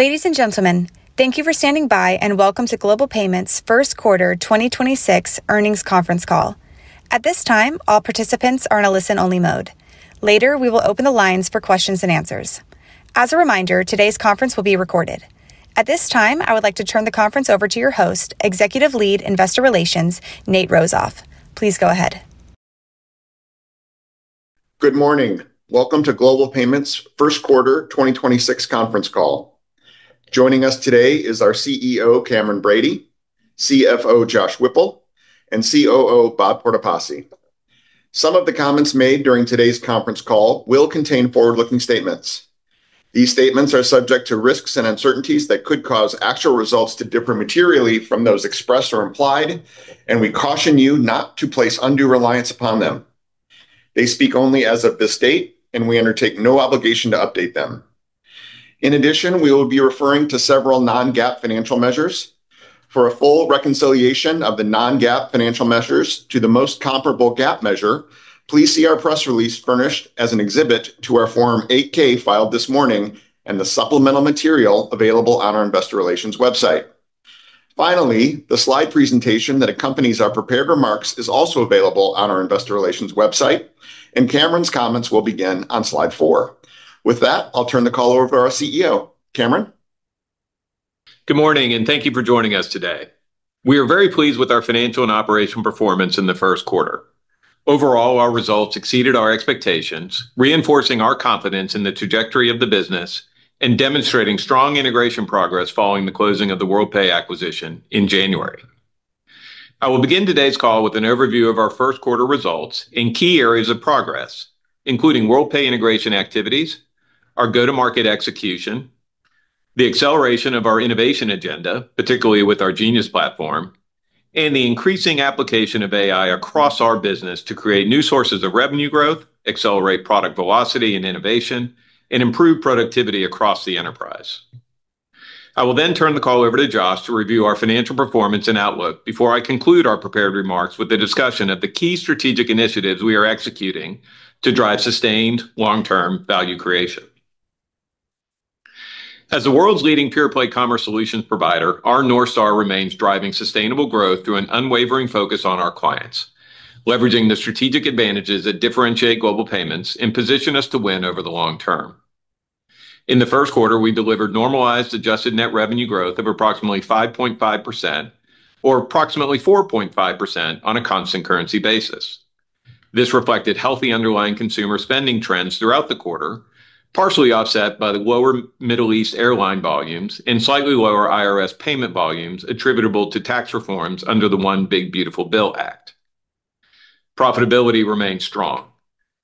Ladies and gentlemen, thank you for standing by. Welcome to Global Payments' First Quarter 2026 Earnings conference call. At this time, all participants are in a listen-only mode. Later, we will open the lines for questions and answers. As a reminder, today's conference will be recorded. At this time, I would like to turn the conference over to your host, Executive Lead Investor Relations, Nate Rozof. Please go ahead. Good morning. Welcome to Global Payments' first quarter 2026 conference call. Joining us today is our CEO, Cameron Bready, CFO, Josh Whipple, and COO, Bob Cortopassi. Some of the comments made during today's conference call will contain forward-looking statements. These statements are subject to risks and uncertainties that could cause actual results to differ materially from those expressed or implied, and we caution you not to place undue reliance upon them. They speak only as of this date, and we undertake no obligation to update them. In addition, we will be referring to several non-GAAP financial measures. For a full reconciliation of the non-GAAP financial measures to the most comparable GAAP measure, please see our press release furnished as an exhibit to our Form 8-K filed this morning and the supplemental material available on our investor relations website. The slide presentation that accompanies our prepared remarks is also available on our investor relations website, and Cameron's comments will begin on slide four. With that, I'll turn the call over to our CEO. Cameron? Good morning, thank you for joining us today. We are very pleased with our financial and operation performance in the first quarter. Overall, our results exceeded our expectations, reinforcing our confidence in the trajectory of the business and demonstrating strong integration progress following the closing of the Worldpay acquisition in January. I will begin today's call with an overview of our first quarter results in key areas of progress, including Worldpay integration activities, our go-to-market execution, the acceleration of our innovation agenda, particularly with our Genius platform, and the increasing application of AI across our business to create new sources of revenue growth, accelerate product velocity and innovation, and improve productivity across the enterprise. I will then turn the call over to Josh to review our financial performance and outlook before I conclude our prepared remarks with a discussion of the key strategic initiatives we are executing to drive sustained long-term value creation. As the world's leading pure-play commerce solutions provider, our North Star remains driving sustainable growth through an unwavering focus on our clients, leveraging the strategic advantages that differentiate Global Payments and position us to win over the long term. In the first quarter, we delivered normalized adjusted net revenue growth of approximately 5.5% or approximately 4.5% on a constant currency basis. This reflected healthy underlying consumer spending trends throughout the quarter, partially offset by the lower Middle East airline volumes and slightly lower IRS payment volumes attributable to tax reforms under the One Big Beautiful Bill Act. Profitability remained strong.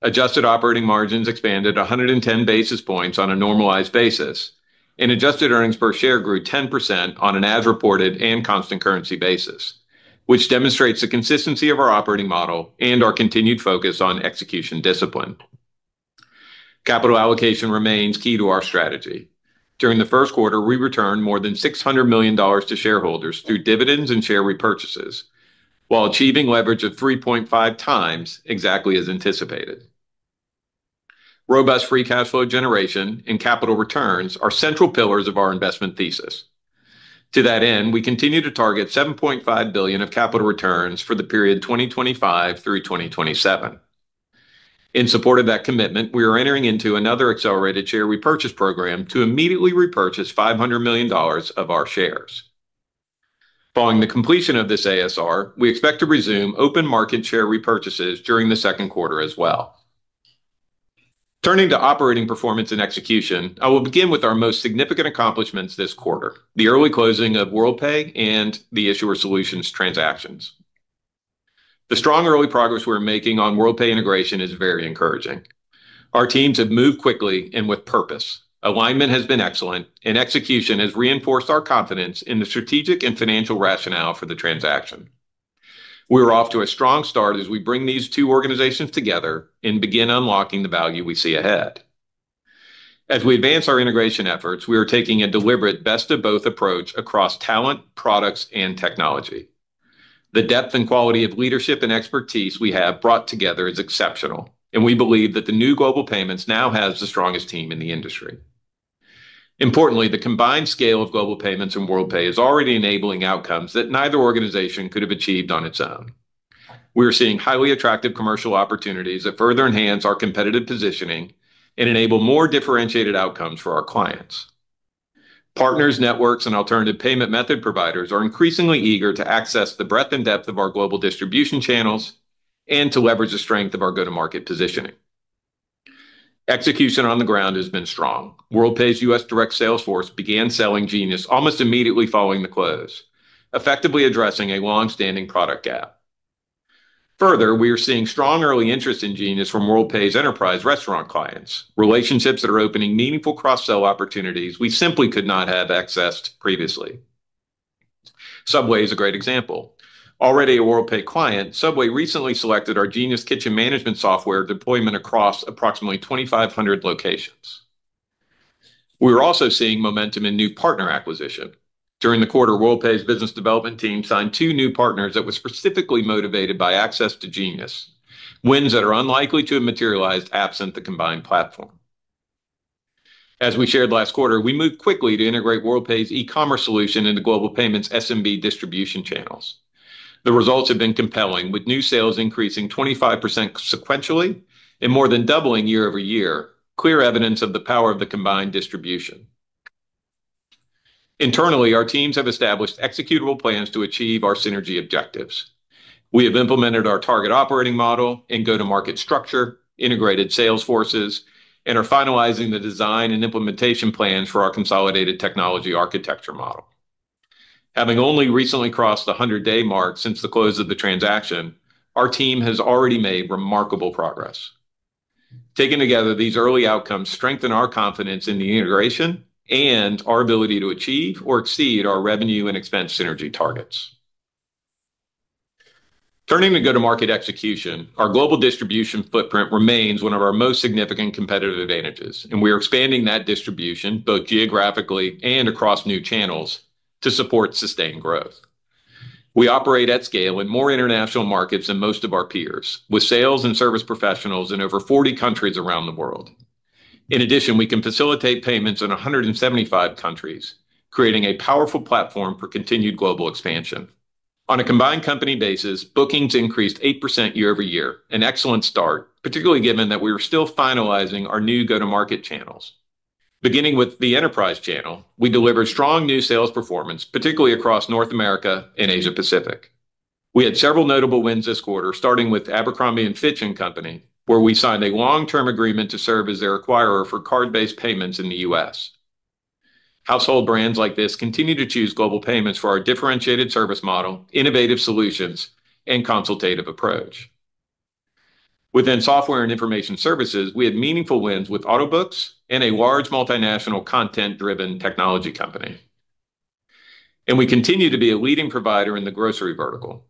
Adjusted operating margins expanded 110 basis points on a normalized basis, and adjusted earnings per share grew 10% on an as-reported and constant currency basis, which demonstrates the consistency of our operating model and our continued focus on execution discipline. Capital allocation remains key to our strategy. During the first quarter, we returned more than $600 million to shareholders through dividends and share repurchases while achieving leverage of 3.5x exactly as anticipated. Robust free cash flow generation and capital returns are central pillars of our investment thesis. To that end, we continue to target $7.5 billion of capital returns for the period 2025 through 2027. In support of that commitment, we are entering into another accelerated share repurchase program to immediately repurchase $500 million of our shares. Following the completion of this ASR, we expect to resume open market share repurchases during the second quarter as well. Turning to operating performance and execution, I will begin with our most significant accomplishments this quarter, the early closing of Worldpay and the Issuer Solutions transactions. The strong early progress we're making on Worldpay integration is very encouraging. Our teams have moved quickly and with purpose. Alignment has been excellent, and execution has reinforced our confidence in the strategic and financial rationale for the transaction. We're off to a strong start as we bring these two organizations together and begin unlocking the value we see ahead. As we advance our integration efforts, we are taking a deliberate best of both approach across talent, products, and technology. The depth and quality of leadership and expertise we have brought together is exceptional, and we believe that the new Global Payments now has the strongest team in the industry. Importantly, the combined scale of Global Payments and Worldpay is already enabling outcomes that neither organization could have achieved on its own. We're seeing highly attractive commercial opportunities that further enhance our competitive positioning and enable more differentiated outcomes for our clients. Partners, networks, and alternative payment method providers are increasingly eager to access the breadth and depth of our global distribution channels and to leverage the strength of our go-to-market positioning. Execution on the ground has been strong. Worldpay's U.S. direct sales force began selling Genius almost immediately following the close, effectively addressing a long-standing product gap. Further, we are seeing strong early interest in Genius from Worldpay's enterprise restaurant clients, relationships that are opening meaningful cross-sell opportunities we simply could not have accessed previously. Subway is a great example. Already a Worldpay client, Subway recently selected our Genius kitchen management software deployment across approximately 2,500 locations. We're also seeing momentum in new partner acquisition. During the quarter, Worldpay's business development team signed two new partners that were specifically motivated by access to Genius, wins that are unlikely to have materialized absent the combined platform. As we shared last quarter, we moved quickly to integrate Worldpay's e-commerce solution into Global Payments SMB distribution channels. The results have been compelling, with new sales increasing 25% sequentially and more than doubling year-over-year, clear evidence of the power of the combined distribution. Internally, our teams have established executable plans to achieve our synergy objectives. We have implemented our target operating model and go-to-market structure, integrated sales forces, and are finalizing the design and implementation plans for our consolidated technology architecture model. Having only recently crossed the 100-day mark since the close of the transaction, our team has already made remarkable progress. Taken together, these early outcomes strengthen our confidence in the integration and our ability to achieve or exceed our revenue and expense synergy targets. Turning to go-to-market execution, our global distribution footprint remains one of our most significant competitive advantages, and we are expanding that distribution both geographically and across new channels to support sustained growth. We operate at scale in more international markets than most of our peers, with sales and service professionals in over 40 countries around the world. In addition, we can facilitate payments in 175 countries, creating a powerful platform for continued global expansion. On a combined company basis, bookings increased 8% year-over-year, an excellent start, particularly given that we are still finalizing our new go-to-market channels. Beginning with the enterprise channel, we delivered strong new sales performance, particularly across North America and Asia Pacific. We had several notable wins this quarter, starting with Abercrombie & Fitch and Company, where we signed a long-term agreement to serve as their acquirer for card-based payments in the U.S. Household brands like this continue to choose Global Payments for our differentiated service model, innovative solutions, and consultative approach. Within software and information services, we had meaningful wins with Autobooks and a large multinational content-driven technology company. We continue to be a leading provider in the grocery vertical.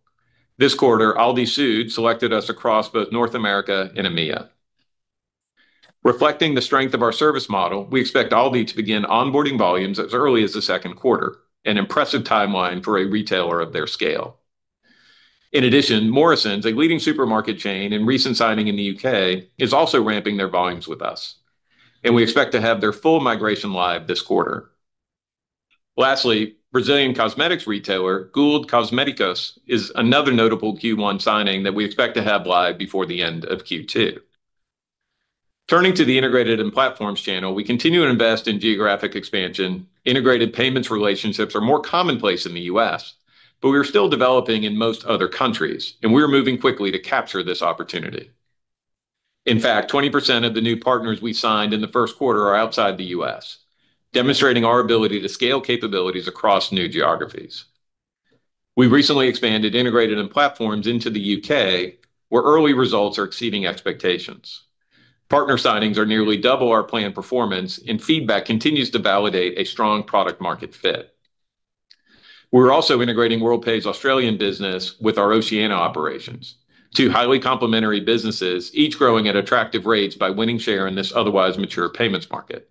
This quarter, ALDI Süd selected us across both North America and EMEA. Reflecting the strength of our service model, we expect ALDI to begin onboarding volumes as early as the second quarter, an impressive timeline for a retailer of their scale. In addition, Morrisons, a leading supermarket chain and recent signing in the U.K., is also ramping their volumes with us, and we expect to have their full migration live this quarter. Lastly, Brazilian cosmetics retailer, Goold Cosméticos, is another notable Q1 signing that we expect to have live before the end of Q2. Turning to the integrated and platforms channel, we continue to invest in geographic expansion. Integrated payments relationships are more commonplace in the U.S., but we are still developing in most other countries, and we are moving quickly to capture this opportunity. In fact, 20% of the new partners we signed in the first quarter are outside the U.S., demonstrating our ability to scale capabilities across new geographies. We've recently expanded integrated and platforms into the U.K., where early results are exceeding expectations. Partner signings are nearly double our planned performance, and feedback continues to validate a strong product market fit. We're also integrating Worldpay's Australian business with our Oceania operations, two highly complementary businesses, each growing at attractive rates by winning share in this otherwise mature payments market.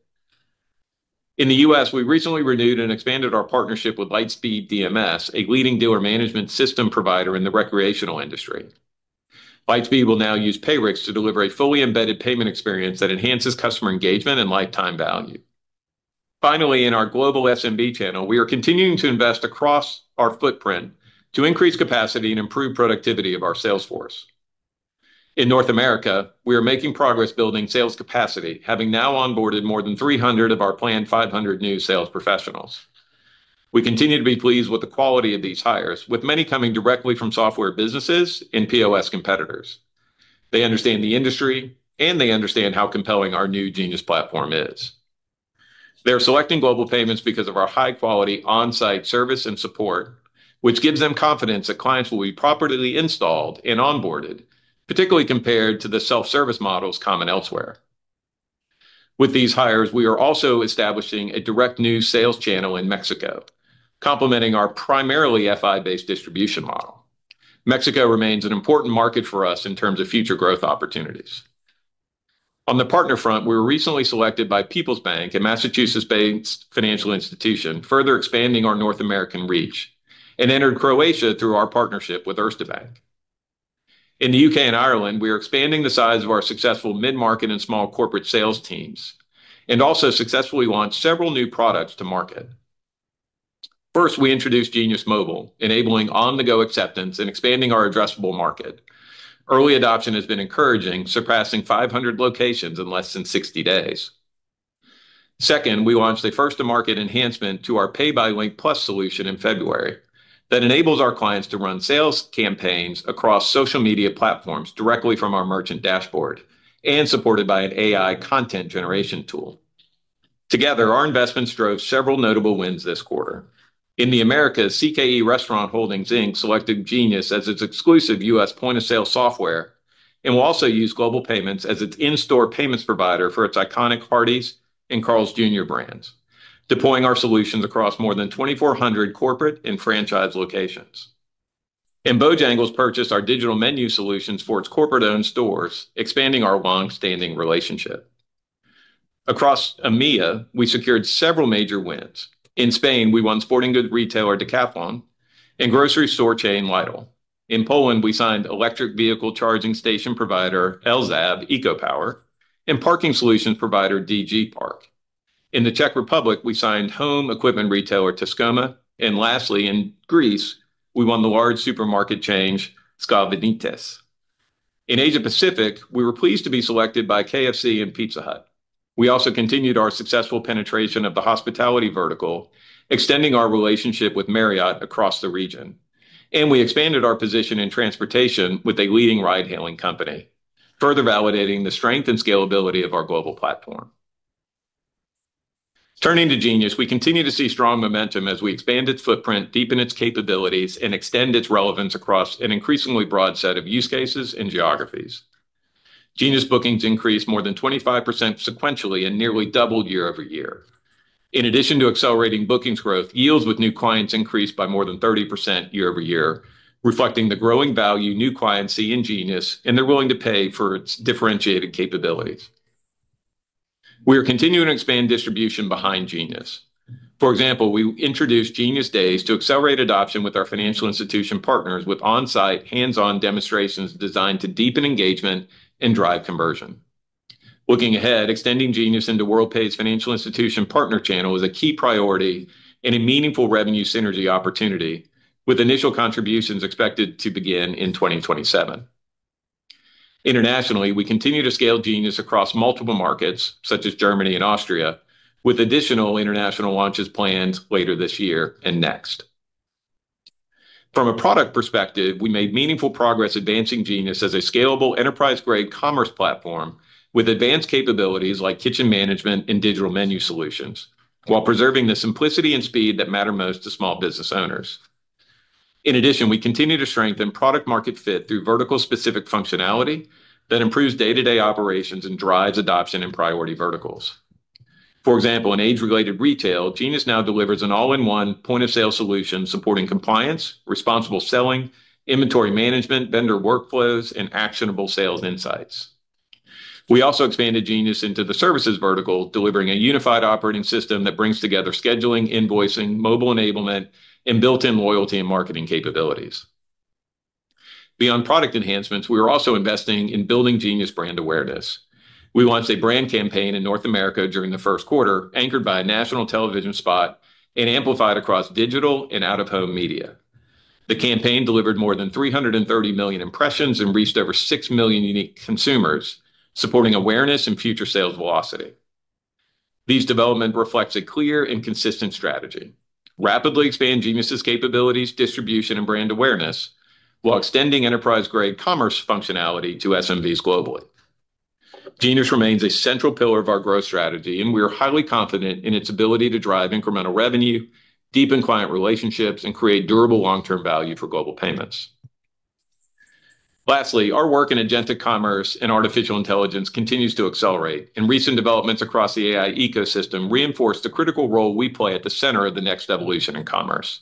In the U.S., we recently renewed and expanded our partnership with Lightspeed DMS, a leading dealer management system provider in the recreational industry. Lightspeed will now use Payrix to deliver a fully embedded payment experience that enhances customer engagement and lifetime value. Finally, in our global SMB channel, we are continuing to invest across our footprint to increase capacity and improve productivity of our sales force. In North America, we are making progress building sales capacity, having now onboarded more than 300 of our planned 500 new sales professionals. We continue to be pleased with the quality of these hires, with many coming directly from software businesses and POS competitors. They understand the industry, and they understand how compelling our new Genius platform is. They are selecting Global Payments because of our high-quality on-site service and support, which gives them confidence that clients will be properly installed and onboarded, particularly compared to the self-service models common elsewhere. With these hires, we are also establishing a direct new sales channel in Mexico, complementing our primarily FI-based distribution model. Mexico remains an important market for us in terms of future growth opportunities. On the partner front, we were recently selected by PeoplesBank, a Massachusetts-based financial institution, further expanding our North American reach, and entered Croatia through our partnership with Erste Bank. In the U.K. and Ireland, we are expanding the size of our successful mid-market and small corporate sales teams and also successfully launched several new products to market. First, we introduced Genius Mobile, enabling on-the-go acceptance and expanding our addressable market. Early adoption has been encouraging, surpassing 500 locations in less than 60 days. Second, we launched a first-to-market enhancement to our Pay by Link+ solution in February that enables our clients to run sales campaigns across social media platforms directly from our merchant dashboard and supported by an AI content generation tool. Together, our investments drove several notable wins this quarter. In the Americas, CKE Restaurants Holdings, Inc selected Genius as its exclusive U.S. point-of-sale software and will also use Global Payments as its in-store payments provider for its iconic Hardee's and Carl's Jr. brands, deploying our solutions across more than 2,400 corporate and franchise locations. Bojangles purchased our digital menu solutions for its corporate-owned stores, expanding our long-standing relationship. Across EMEA, we secured several major wins. In Spain, we won sporting goods retailer Decathlon and grocery store chain Lidl. In Poland, we signed electric vehicle charging station provider, ELZAB ECOPOWER, and parking solutions provider DG Parking. In the Czech Republic, we signed home equipment retailer Tescoma. Lastly, in Greece, we won the large supermarket chain, Sklavenitis. In Asia Pacific, we were pleased to be selected by KFC and Pizza Hut. We also continued our successful penetration of the hospitality vertical, extending our relationship with Marriott across the region. We expanded our position in transportation with a leading ride-hailing company, further validating the strength and scalability of our global platform. Turning to Genius, we continue to see strong momentum as we expand its footprint, deepen its capabilities, and extend its relevance across an increasingly broad set of use cases and geographies. Genius bookings increased more than 25% sequentially and nearly doubled year-over-year. In addition to accelerating bookings growth, yields with new clients increased by more than 30% year-over-year, reflecting the growing value new clients see in Genius, and they're willing to pay for its differentiated capabilities. We are continuing to expand distribution behind Genius. For example, we introduced Genius Days to accelerate adoption with our financial institution partners with on-site, hands-on demonstrations designed to deepen engagement and drive conversion. Looking ahead, extending Genius into Worldpay's financial institution partner channel is a key priority and a meaningful revenue synergy opportunity, with initial contributions expected to begin in 2027. Internationally, we continue to scale Genius across multiple markets, such as Germany and Austria, with additional international launches planned later this year and next. From a product perspective, we made meaningful progress advancing Genius as a scalable enterprise-grade commerce platform with advanced capabilities like kitchen management and digital menu solutions while preserving the simplicity and speed that matter most to small business owners. In addition, we continue to strengthen product market fit through vertical-specific functionality that improves day-to-day operations and drives adoption in priority verticals. For example, in age-related retail, Genius now delivers an all-in-one point-of-sale solution supporting compliance, responsible selling, inventory management, vendor workflows, and actionable sales insights. We also expanded Genius into the services vertical, delivering a unified operating system that brings together scheduling, invoicing, mobile enablement, and built-in loyalty and marketing capabilities. Beyond product enhancements, we are also investing in building Genius brand awareness. We launched a brand campaign in North America during the first quarter, anchored by a national television spot and amplified across digital and out-of-home media. The campaign delivered more than 330 million impressions and reached over 6 million unique consumers, supporting awareness and future sales velocity. These development reflects a clear and consistent strategy, rapidly expand Genius's capabilities, distribution, and brand awareness while extending enterprise-grade commerce functionality to SMBs globally. Genius remains a central pillar of our growth strategy, and we are highly confident in its ability to drive incremental revenue, deepen client relationships, and create durable long-term value for Global Payments. Lastly, our work in agentic commerce and artificial intelligence continues to accelerate, and recent developments across the AI ecosystem reinforce the critical role we play at the center of the next evolution in commerce.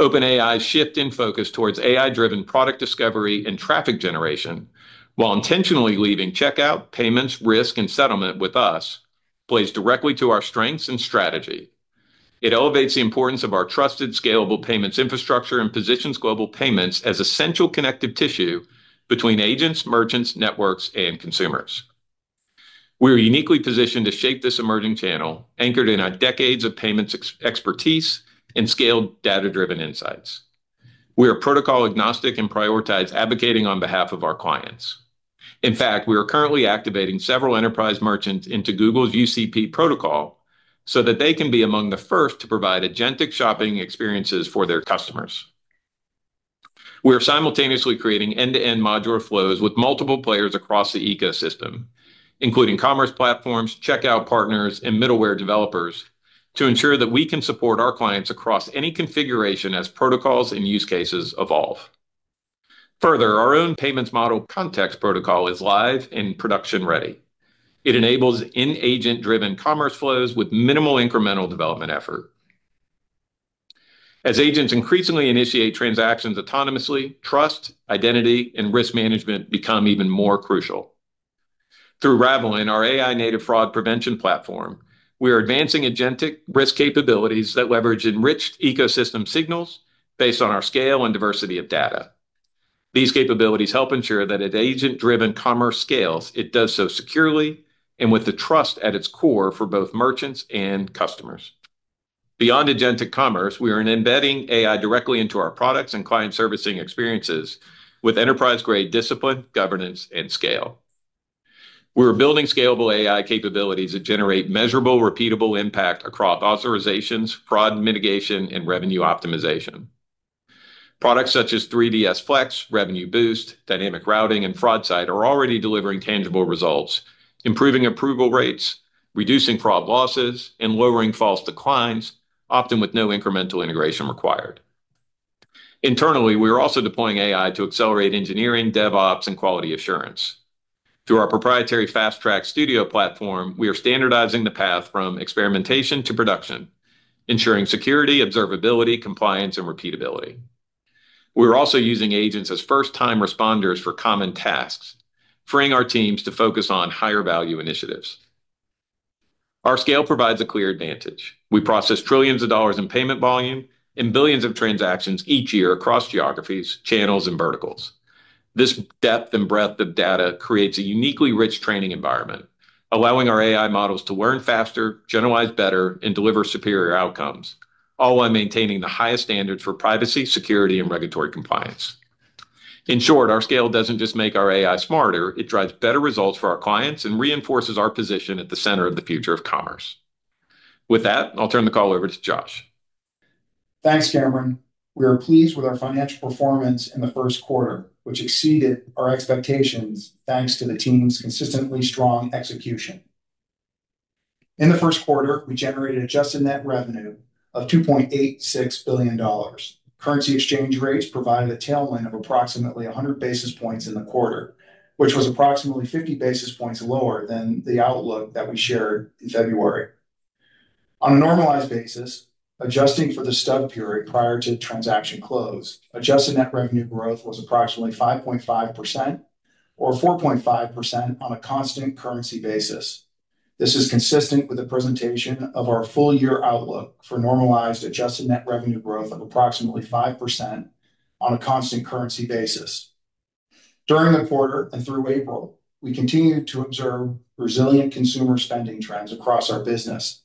OpenAI's shift in focus towards AI-driven product discovery and traffic generation while intentionally leaving checkout, payments, risk, and settlement with us plays directly to our strengths and strategy. It elevates the importance of our trusted, scalable payments infrastructure and positions Global Payments as essential connective tissue between agents, merchants, networks, and consumers. We are uniquely positioned to shape this emerging channel anchored in our decades of payments expertise and scaled data-driven insights. We are protocol agnostic and prioritize advocating on behalf of our clients. In fact, we are currently activating several enterprise merchants into Google's UCP protocol so that they can be among the first to provide agentic shopping experiences for their customers. We are simultaneously creating end-to-end modular flows with multiple players across the ecosystem, including commerce platforms, checkout partners, and middleware developers, to ensure that we can support our clients across any configuration as protocols and use cases evolve. Further, our own payments model context protocol is live and production ready. It enables in-agent driven commerce flows with minimal incremental development effort. As agents increasingly initiate transactions autonomously, trust, identity, and risk management become even more crucial. Through Ravelin, our AI-native fraud prevention platform, we are advancing agentic risk capabilities that leverage enriched ecosystem signals based on our scale and diversity of data. These capabilities help ensure that as agent-driven commerce scales, it does so securely and with the trust at its core for both merchants and customers. Beyond agentic commerce, we are embedding AI directly into our products and client servicing experiences with enterprise-grade discipline, governance, and scale. We're building scalable AI capabilities that generate measurable, repeatable impact across authorizations, fraud mitigation, and revenue optimization. Products such as 3DS Flex, Revenue Boost, Dynamic Routing, and FraudSight are already delivering tangible results, improving approval rates, reducing fraud losses, and lowering false declines, often with no incremental integration required. Internally, we are also deploying AI to accelerate engineering, DevOps, and quality assurance. Through our proprietary Fast Track Studio platform, we are standardizing the path from experimentation to production, ensuring security, observability, compliance, and repeatability. We're also using agents as first-time responders for common tasks, freeing our teams to focus on higher value initiatives. Our scale provides a clear advantage. We process trillions of dollars in payment volume and billions of transactions each year across geographies, channels, and verticals. This depth and breadth of data creates a uniquely rich training environment, allowing our AI models to learn faster, generalize better, and deliver superior outcomes, all while maintaining the highest standards for privacy, security, and regulatory compliance. In short, our scale doesn't just make our AI smarter, it drives better results for our clients and reinforces our position at the center of the future of commerce. With that, I'll turn the call over to Josh. Thanks, Cameron. We are pleased with our financial performance in the first quarter, which exceeded our expectations thanks to the team's consistently strong execution. In the first quarter, we generated adjusted net revenue of $2.86 billion. Currency exchange rates provided a tailwind of approximately 100 basis points in the quarter, which was approximately 50 basis points lower than the outlook that we shared in February. On a normalized basis, adjusting for the stub period prior to transaction close, adjusted net revenue growth was approximately 5.5% or 4.5% on a constant currency basis. This is consistent with the presentation of our full year outlook for normalized adjusted net revenue growth of approximately 5% on a constant currency basis. During the quarter and through April, we continued to observe resilient consumer spending trends across our business.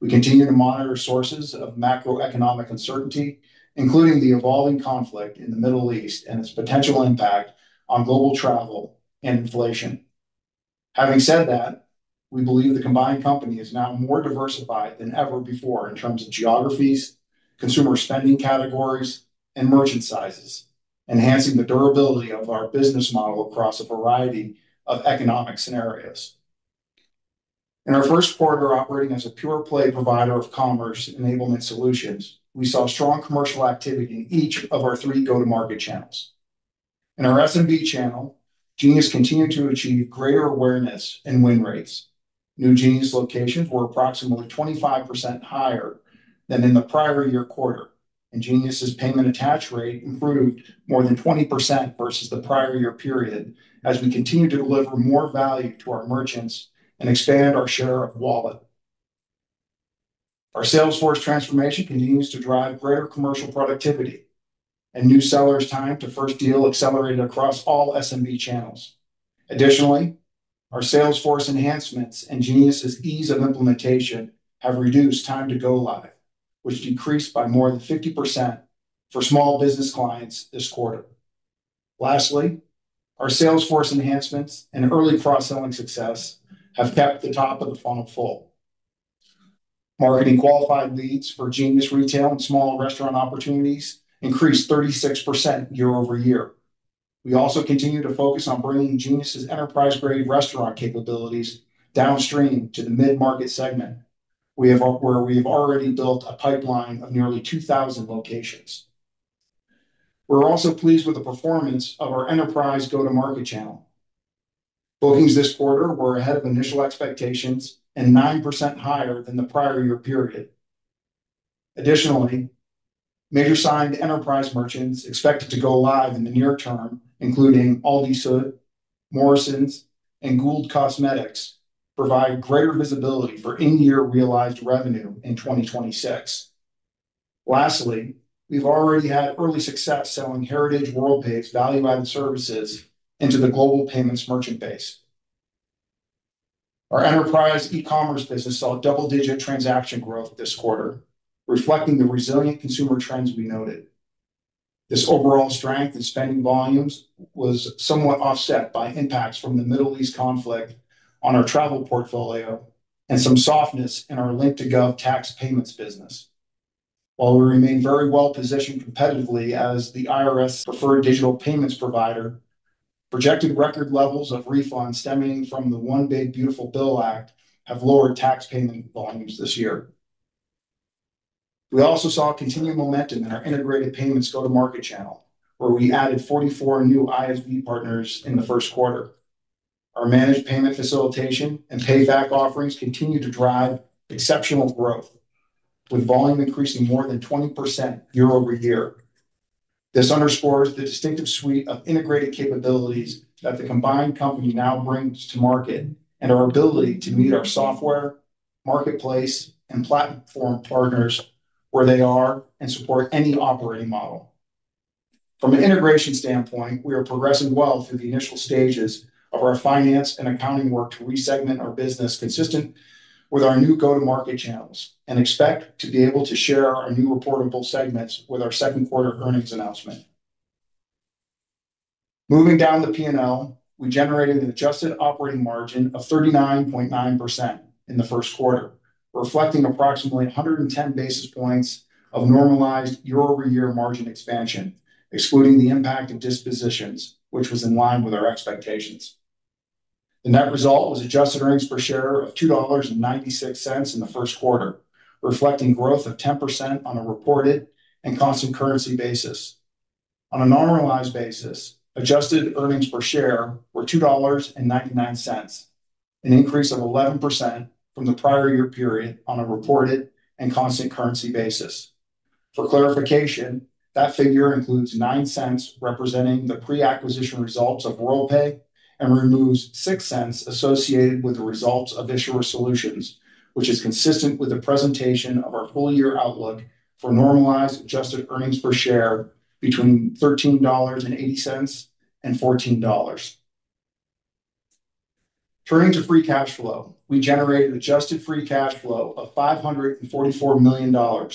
We continue to monitor sources of macroeconomic uncertainty, including the evolving conflict in the Middle East and its potential impact on global travel and inflation. Having said that, we believe the combined company is now more diversified than ever before in terms of geographies, consumer spending categories, and merchant sizes, enhancing the durability of our business model across a variety of economic scenarios. In our first quarter operating as a pure-play provider of commerce enablement solutions, we saw strong commercial activity in each of our three go-to-market channels. In our SMB channel, Genius continued to achieve greater awareness and win rates. New Genius locations were approximately 25% higher than in the prior year quarter, and Genius' payment attach rate improved more than 20% versus the prior year period as we continue to deliver more value to our merchants and expand our share of wallet. Our sales force transformation continues to drive greater commercial productivity and new sellers time to first deal accelerated across all SMB channels. Additionally, our sales force enhancements and Genius' ease of implementation have reduced time to go live, which decreased by more than 50% for small business clients this quarter. Lastly, our sales force enhancements and early cross-selling success have kept the top of the funnel full. Marketing qualified leads for Genius retail and small restaurant opportunities increased 36% year-over-year. We also continue to focus on bringing Genius' enterprise-grade restaurant capabilities downstream to the mid-market segment, where we've already built a pipeline of nearly 2,000 locations. We're also pleased with the performance of our enterprise go-to-market channel. Bookings this quarter were ahead of initial expectations and 9% higher than the prior year period. Additionally, major signed enterprise merchants expected to go live in the near term, including ALDI Süd, Morrisons, and Goold Cosméticos, provide greater visibility for in-year realized revenue in 2026. Lastly, we've already had early success selling Heritage Worldpay's value-added services into the Global Payments merchant base. Our enterprise e-commerce business saw double-digit transaction growth this quarter, reflecting the resilient consumer trends we noted. This overall strength in spending volumes was somewhat offset by impacts from the Middle East conflict on our travel portfolio and some softness in our Link2Gov tax payments business. While we remain very well-positioned competitively as the IRS preferred digital payments provider, projected record levels of refunds stemming from the One Big Beautiful Bill Act have lowered tax payment volumes this year. We also saw continued momentum in our integrated payments go-to-market channel, where we added 44 new ISV partners in the first quarter. Our managed payment facilitation and Payrix offerings continue to drive exceptional growth, with volume increasing more than 20% year-over-year. This underscores the distinctive suite of integrated capabilities that the combined company now brings to market and our ability to meet our software, marketplace, and platform partners where they are and support any operating model. From an integration standpoint, we are progressing well through the initial stages of our finance and accounting work to re-segment our business consistent with our new go-to-market channels and expect to be able to share our new reportable segments with our second quarter earnings announcement. Moving down the P&L, we generated an adjusted operating margin of 39.9% in the first quarter, reflecting approximately 110 basis points of normalized year-over-year margin expansion, excluding the impact of dispositions, which was in line with our expectations. The net result was adjusted earnings per share of $2.96 in the first quarter, reflecting growth of 10% on a reported and constant currency basis. On a normalized basis, adjusted earnings per share were $2.99, an increase of 11% from the prior year period on a reported and constant currency basis. For clarification, that figure includes $0.09 representing the pre-acquisition results of Worldpay and removes $0.06 associated with the results of Issuer Solutions, which is consistent with the presentation of our full-year outlook for normalized adjusted earnings per share between $13.80 and $14.00. Turning to free cash flow. We generated adjusted free cash flow of $544 million,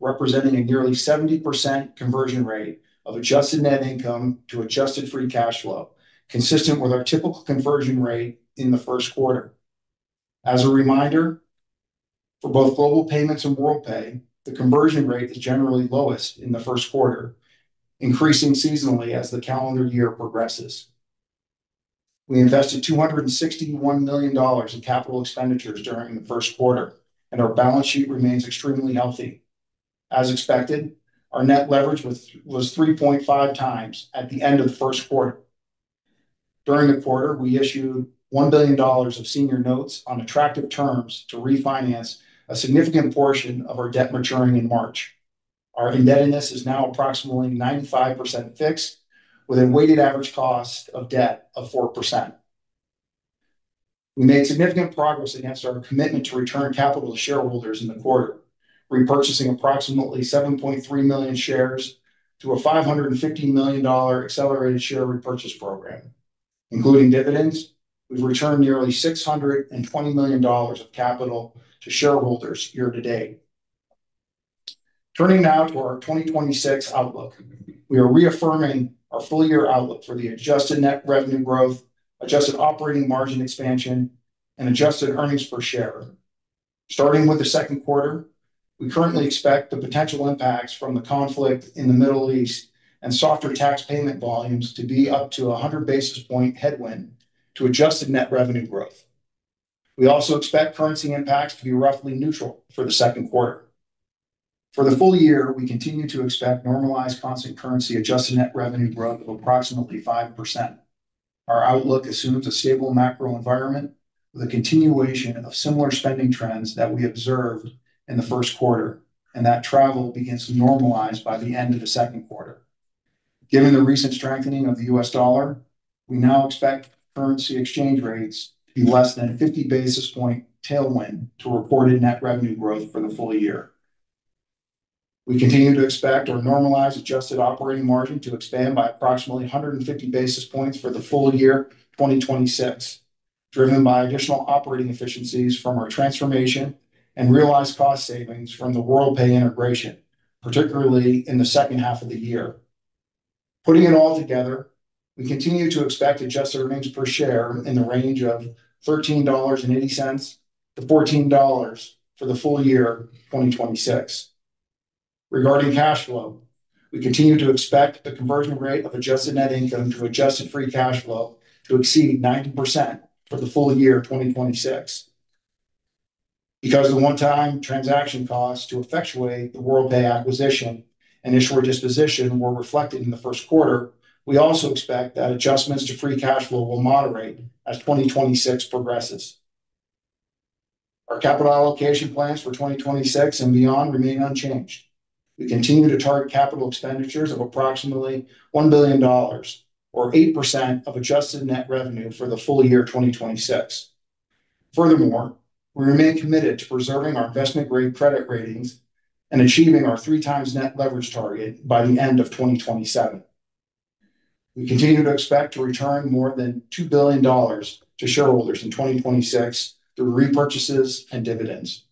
representing a nearly 70% conversion rate of adjusted net income to adjusted free cash flow, consistent with our typical conversion rate in the first quarter. As a reminder, for both Global Payments and Worldpay, the conversion rate is generally lowest in the first quarter, increasing seasonally as the calendar year progresses. We invested $261 million in capital expenditures during the first quarter, and our balance sheet remains extremely healthy. As expected, our net leverage was 3.5x at the end of the first quarter. During the quarter, we issued $1 billion of senior notes on attractive terms to refinance a significant portion of our debt maturing in March. Our indebtedness is now approximately 95% fixed, with a weighted average cost of debt of 4%. We made significant progress against our commitment to return capital to shareholders in the quarter, repurchasing approximately 7.3 million shares to a $550 million accelerated share repurchase program. Including dividends, we've returned nearly $620 million of capital to shareholders year-to-date. Turning now to our 2026 outlook. We are reaffirming our full-year outlook for the adjusted net revenue growth, adjusted operating margin expansion, and adjusted earnings per share. Starting with the second quarter, we currently expect the potential impacts from the conflict in the Middle East and softer tax payment volumes to be up to 100 basis point headwind to adjusted net revenue growth. We also expect currency impacts to be roughly neutral for the second quarter. For the full year, we continue to expect normalized constant currency adjusted net revenue growth of approximately 5%. Our outlook assumes a stable macro environment with a continuation of similar spending trends that we observed in the first quarter, and that travel begins to normalize by the end of the second quarter. Given the recent strengthening of the U.S. dollar, we now expect currency exchange rates to be less than 50 basis point tailwind to reported net revenue growth for the full year. We continue to expect our normalized adjusted operating margin to expand by approximately 150 basis points for the full year 2026, driven by additional operating efficiencies from our transformation and realized cost savings from the Worldpay integration, particularly in the second half of the year. Putting it all together, we continue to expect adjusted earnings per share in the range of $13.80-$14 for the full year 2026. Regarding cash flow, we continue to expect the conversion rate of adjusted net income to adjusted free cash flow to exceed 90% for the full year 2026. Because the one-time transaction cost to effectuate the Worldpay acquisition and Issuer disposition were reflected in the first quarter, we also expect that adjustments to free cash flow will moderate as 2026 progresses. Our capital allocation plans for 2026 and beyond remain unchanged. We continue to target capital expenditures of approximately $1 billion or 8% of adjusted net revenue for the full year 2026. Furthermore, we remain committed to preserving our investment-grade credit ratings and achieving our 3x net leverage target by the end of 2027. We continue to expect to return more than $2 billion to shareholders in 2026 through repurchases and dividends.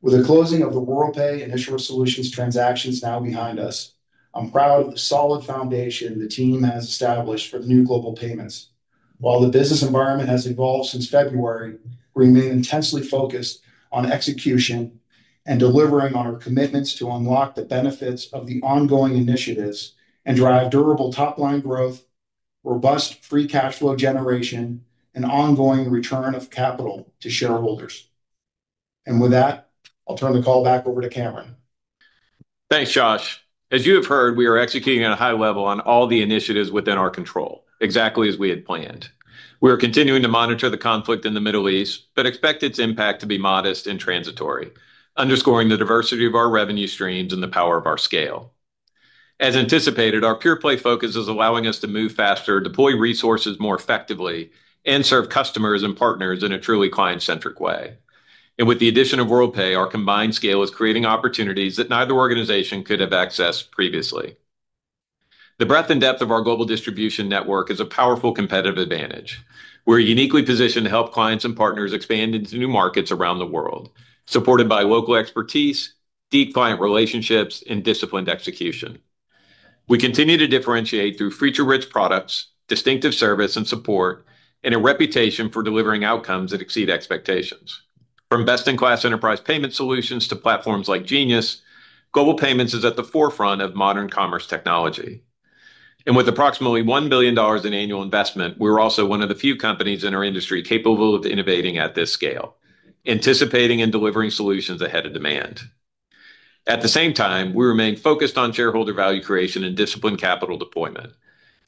With the closing of the Worldpay and Issuer Solutions transactions now behind us, I'm proud of the solid foundation the team has established for the new Global Payments. While the business environment has evolved since February, we remain intensely focused on execution and delivering on our commitments to unlock the benefits of the ongoing initiatives and drive durable top-line growth, robust free cash flow generation, and ongoing return of capital to shareholders. With that, I'll turn the call back over to Cameron. Thanks, Josh. As you have heard, we are executing at a high level on all the initiatives within our control, exactly as we had planned. We are continuing to monitor the conflict in the Middle East, but expect its impact to be modest and transitory, underscoring the diversity of our revenue streams and the power of our scale. As anticipated, our pure-play focus is allowing us to move faster, deploy resources more effectively, and serve customers and partners in a truly client-centric way. With the addition of Worldpay, our combined scale is creating opportunities that neither organization could have accessed previously. The breadth and depth of our global distribution network is a powerful competitive advantage. We're uniquely positioned to help clients and partners expand into new markets around the world, supported by local expertise, deep client relationships, and disciplined execution. We continue to differentiate through feature-rich products, distinctive service and support, and a reputation for delivering outcomes that exceed expectations. From best-in-class enterprise payment solutions to platforms like Genius, Global Payments is at the forefront of modern commerce technology. With approximately $1 billion in annual investment, we're also one of the few companies in our industry capable of innovating at this scale, anticipating and delivering solutions ahead of demand. At the same time, we remain focused on shareholder value creation and disciplined capital deployment.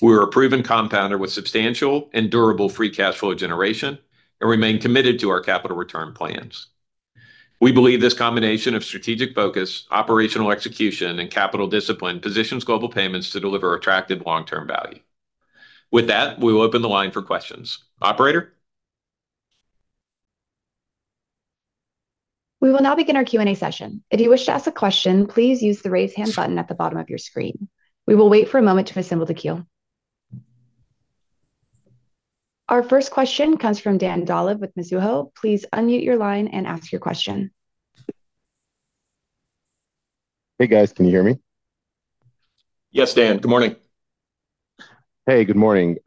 We're a proven compounder with substantial and durable free cash flow generation, and remain committed to our capital return plans. We believe this combination of strategic focus, operational execution, and capital discipline positions Global Payments to deliver attractive long-term value. With that, we will open the line for questions. Operator? We will now begin our Q and A session. If you wish to ask a question, please use the raise hand button at the bottom of your screen. We will wait for a moment to assemble the queue. Our first question comes from Dan Dolev with Mizuho. Please unmute your line and ask your question. Hey, guys. Can you hear me? Yes, Dan. Good morning. Hey, good morning.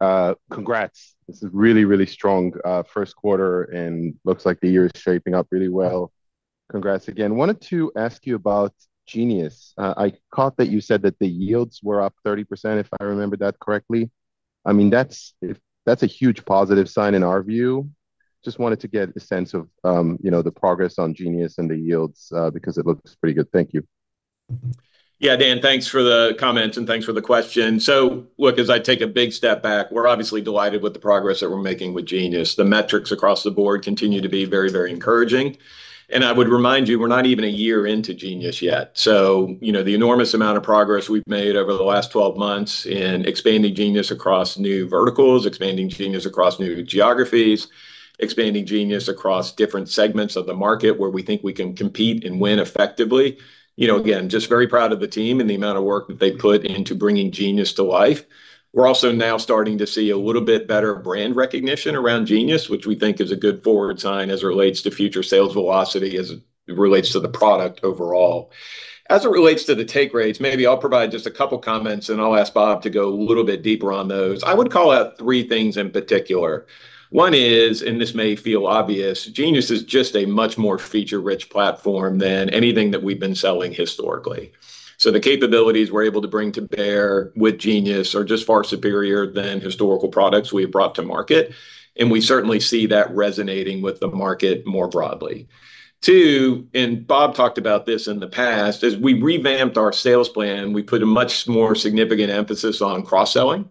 Congrats. This is really, really strong, first quarter, and looks like the year's shaping up really well. Congrats again. Wanted to ask you about Genius. I caught that you said that the yields were up 30%, if I remember that correctly. I mean, that's a huge positive sign in our view. Just wanted to get a sense of, you know, the progress on Genius and the yields, because it looks pretty good. Thank you. Yeah, Dan, thanks for the comments and thanks for the question. Look, as I take a big step back, we're obviously delighted with the progress that we're making with Genius. The metrics across the board continue to be very, very encouraging, and I would remind you, we're not even a year into Genius yet. You know, the enormous amount of progress we've made over the last 12 months in expanding Genius across new verticals, expanding Genius across new geographies, expanding Genius across different segments of the market where we think we can compete and win effectively. You know, again, just very proud of the team and the amount of work that they put into bringing Genius to life. We're also now starting to see a little bit better brand recognition around Genius, which we think is a good forward sign as it relates to future sales velocity, as it relates to the product overall. As it relates to the take rates, maybe I'll provide just a couple comments, and I'll ask Bob to go a little bit deeper on those. I would call out three things in particular. One is, and this may feel obvious, Genius is just a much more feature-rich platform than anything that we've been selling historically. The capabilities we're able to bring to bear with Genius are just far superior than historical products we have brought to market, and we certainly see that resonating with the market more broadly. Two, Bob talked about this in the past, as we revamped our sales plan, we put a much more significant emphasis on cross-selling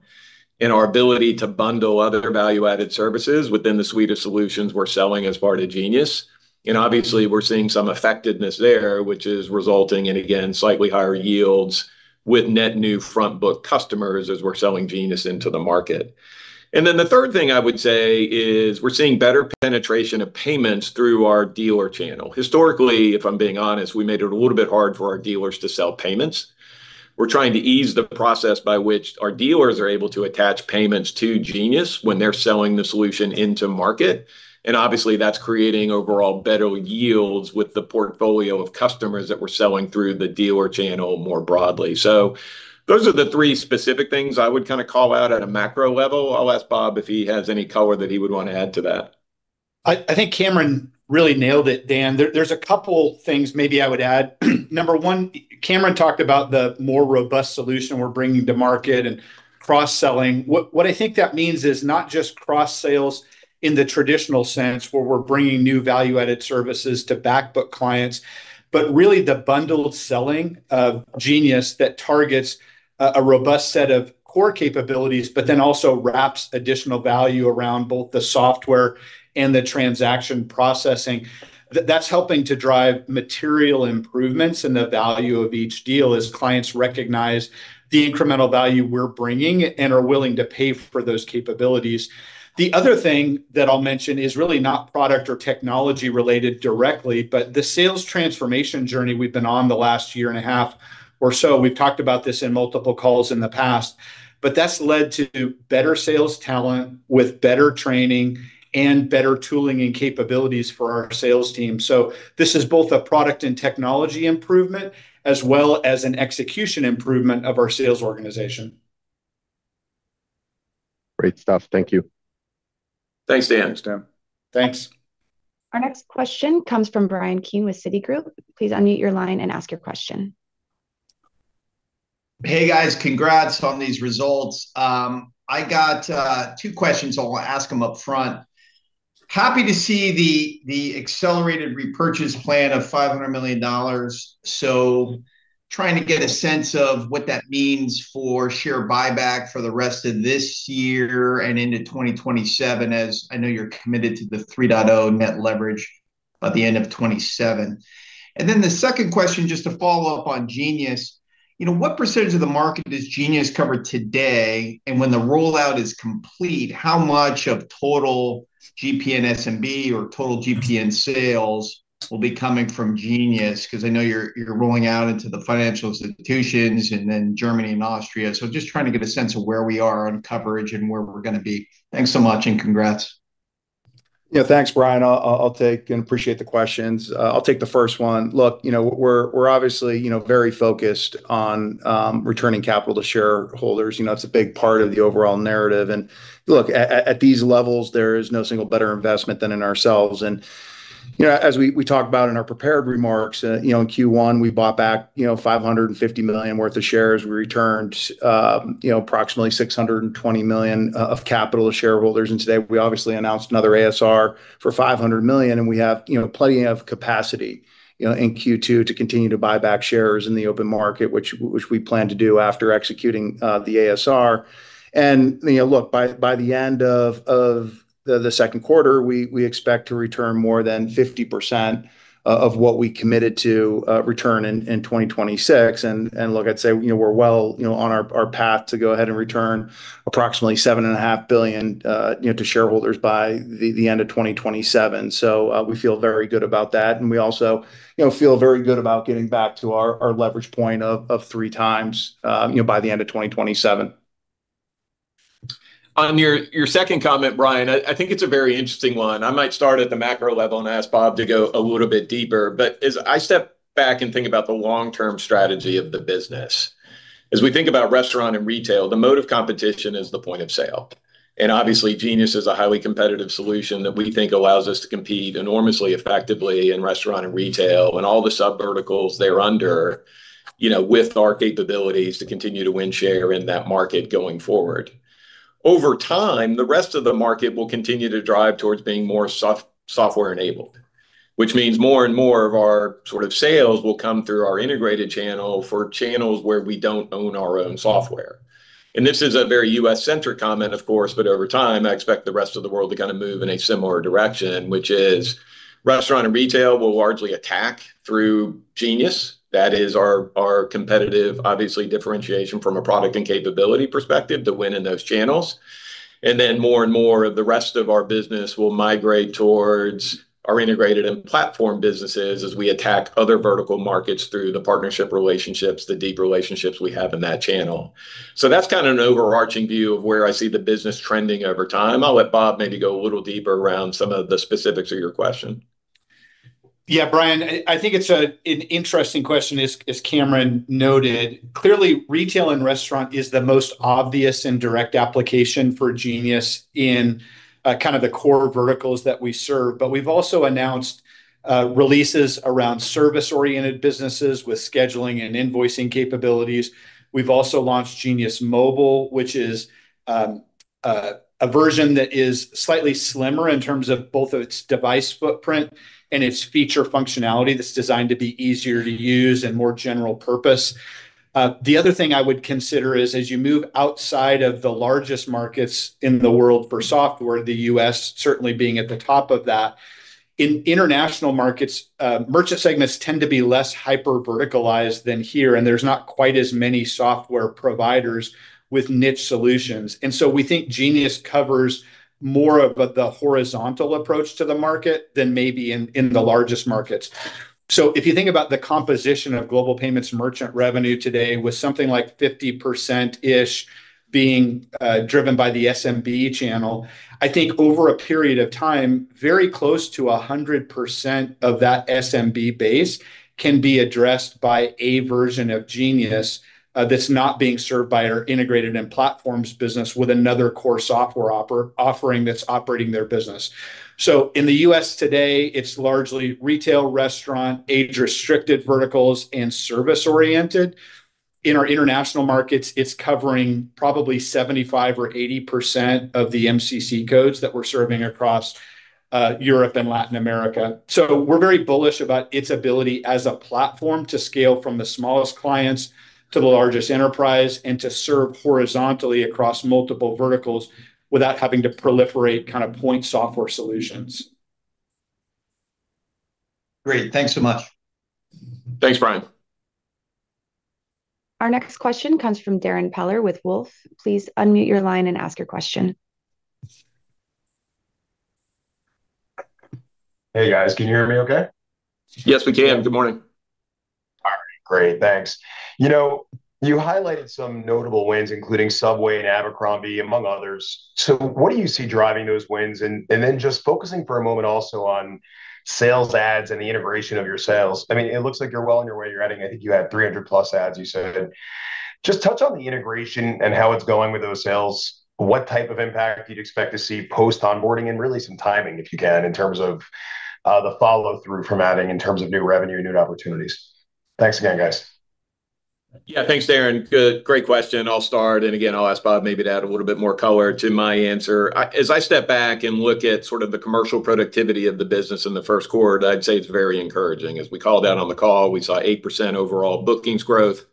and our ability to bundle other value-added services within the suite of solutions we're selling as part of Genius. Obviously, we're seeing some effectiveness there, which is resulting in, again, slightly higher yields with net new front-book customers as we're selling Genius into the market. The third thing I would say is we're seeing better penetration of payments through our dealer channel. Historically, if I'm being honest, we made it a little bit hard for our dealers to sell payments. We're trying to ease the process by which our dealers are able to attach payments to Genius when they're selling the solution into market, and obviously, that's creating overall better yields with the portfolio of customers that we're selling through the dealer channel more broadly. Those are the three specific things I would kind of call out at a macro level. I'll ask Bob if he has any color that he would want to add to that. I think Cameron really nailed it, Dan. There's a couple things maybe I would add. Number one, Cameron talked about the more robust solution we're bringing to market and cross-selling. What I think that means is not just cross sales in the traditional sense, where we're bringing new value-added services to back-book clients, but really the bundled selling of Genius that targets a robust set of core capabilities, but then also wraps additional value around both the software and the transaction processing. That's helping to drive material improvements in the value of each deal as clients recognize the incremental value we're bringing and are willing to pay for those capabilities. The other thing that I'll mention is really not product or technology related directly, but the sales transformation journey we've been on the last year and a half or so, we've talked about this in multiple calls in the past, but that's led to better sales talent with better training and better tooling and capabilities for our sales team. This is both a product and technology improvement as well as an execution improvement of our sales organization. Great stuff. Thank you. Thanks, Dan. Thanks, Dan. Thanks. Our next question comes from Bryan Keane with Citigroup. Please unmute your line and ask your question. Hey, guys. Congrats on these results. I got two questions. I'll ask them upfront. Happy to see the accelerated repurchase plan of $500 million. Trying to get a sense of what that means for share buyback for the rest of this year and into 2027, as I know you're committed to the 3.0 net leverage by the end of 2027. The second question, just to follow up on Genius, you know, what percentage of the market does Genius cover today? When the rollout is complete, how much of total GPN SMB or total GPN sales will be coming from Genius? I know you're rolling out into the financial institutions and then Germany and Austria. Just trying to get a sense of where we are on coverage and where we're gonna be. Thanks so much. Congrats. Yeah. Thanks, Bryan. I'll take and appreciate the questions. I'll take the first one. Look, you know, we're obviously, you know, very focused on returning capital to shareholders. You know, that's a big part of the overall narrative. Look, at these levels, there is no single better investment than in ourselves. You know, as we talked about in our prepared remarks, you know, in Q1 we bought back, you know, $550 million worth of shares. We returned, you know, approximately $620 million of capital to shareholders. Today we obviously announced another ASR for $500 million, and we have, you know, plenty of capacity, you know, in Q2 to continue to buy back shares in the open market which we plan to do after executing the ASR. You know, look, by the end of the second quarter we expect to return more than 50% of what we committed to return in 2026. Look, I'd say, you know, we're well, you know, on our path to go ahead and return approximately $7.5 billion, you know, to shareholders by the end of 2027. We feel very good about that, and we also, you know, feel very good about getting back to our leverage point of 3x, you know, by the end of 2027. On your second comment, Bryan, I think it's a very interesting one. I might start at the macro level and ask Bob to go a little bit deeper. As I step back and think about the long-term strategy of the business, as we think about restaurant and retail, the mode of competition is the point of sale. Obviously Genius is a highly competitive solution that we think allows us to compete enormously effectively in restaurant and retail, and all the sub-verticals they're under, you know, with our capabilities to continue to win share in that market going forward. Over time, the rest of the market will continue to drive towards being more software enabled, which means more and more of our sort of sales will come through our integrated channel for channels where we don't own our own software. This is a very U.S.-centric comment, of course, but over time I expect the rest of the world to kind of move in a similar direction, which is restaurant and retail will largely attack through Genius. That is our competitive, obviously, differentiation from a product and capability perspective to win in those channels. More and more of the rest of our business will migrate towards our integrated and platform businesses as we attack other vertical markets through the partnership relationships, the deep relationships we have in that channel. That's kind of an overarching view of where I see the business trending over time. I'll let Bob maybe go a little deeper around some of the specifics of your question. Yeah, Bryan, I think it's an interesting question, as Cameron noted. Clearly, retail and restaurant is the most obvious and direct application for Genius in kind of the core verticals that we serve. We've also announced releases around service-oriented businesses with scheduling and invoicing capabilities. We've also launched Genius Mobile, which is a version that is slightly slimmer in terms of both its device footprint and its feature functionality, that's designed to be easier to use and more general purpose. The other thing I would consider is, as you move outside of the largest markets in the world for software, the U.S. certainly being at the top of that, in international markets, merchant segments tend to be less hyper-verticalized than here, and there's not quite as many software providers with niche solutions. We think Genius covers more of the horizontal approach to the market than maybe in the largest markets. If you think about the composition of Global Payments merchant revenue today with something like 50%-ish being driven by the SMB channel, I think over a period of time, very close to 100% of that SMB base can be addressed by a version of Genius that's not being served by our integrated and platforms business with another core software offering that's operating their business. In the U.S. today, it's largely retail, restaurant, age-restricted verticals, and service oriented. In our international markets, it's covering probably 75% or 80% of the MCC codes that we're serving across Europe and Latin America. We're very bullish about its ability as a platform to scale from the smallest clients to the largest enterprise, and to serve horizontally across multiple verticals without having to proliferate kind of point software solutions. Great. Thanks so much. Thanks, Bryan. Our next question comes from Darrin Peller with Wolfe. Hey, guys. Can you hear me okay? Yes, we can. Good morning. All right. Great. Thanks. You know, you highlighted some notable wins, including Subway and Abercrombie, among others. What do you see driving those wins? Just focusing for a moment also on sales adds and the integration of your sales. I mean, it looks like you're well on your way. You're adding, I think you had 300+ adds you said. Just touch on the integration and how it's going with those sales, what type of impact you'd expect to see post-onboarding, and really some timing, if you can, in terms of the follow-through from adding in terms of new revenue and new opportunities. Thanks again, guys. Thanks, Darrin. Good, great question. I'll start, again, I'll ask Bob maybe to add a little bit more color to my answer. As I step back and look at sort of the commercial productivity of the business in the first quarter, I'd say it's very encouraging. As we called out on the call, we saw 8% overall bookings growth.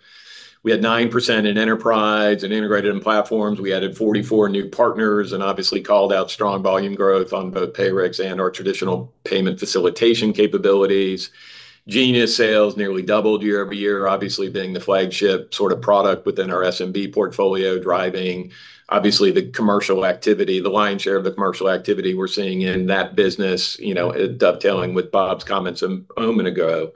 We had 9% in enterprise and integrated platforms. We added 44 new partners and obviously called out strong volume growth on both Payrix and our traditional payment facilitation capabilities. Genius sales nearly doubled year-over-year, obviously being the flagship sort of product within our SMB portfolio, driving obviously the commercial activity, the lion's share of the commercial activity we're seeing in that business, you know, dovetailing with Bob's comments a moment ago.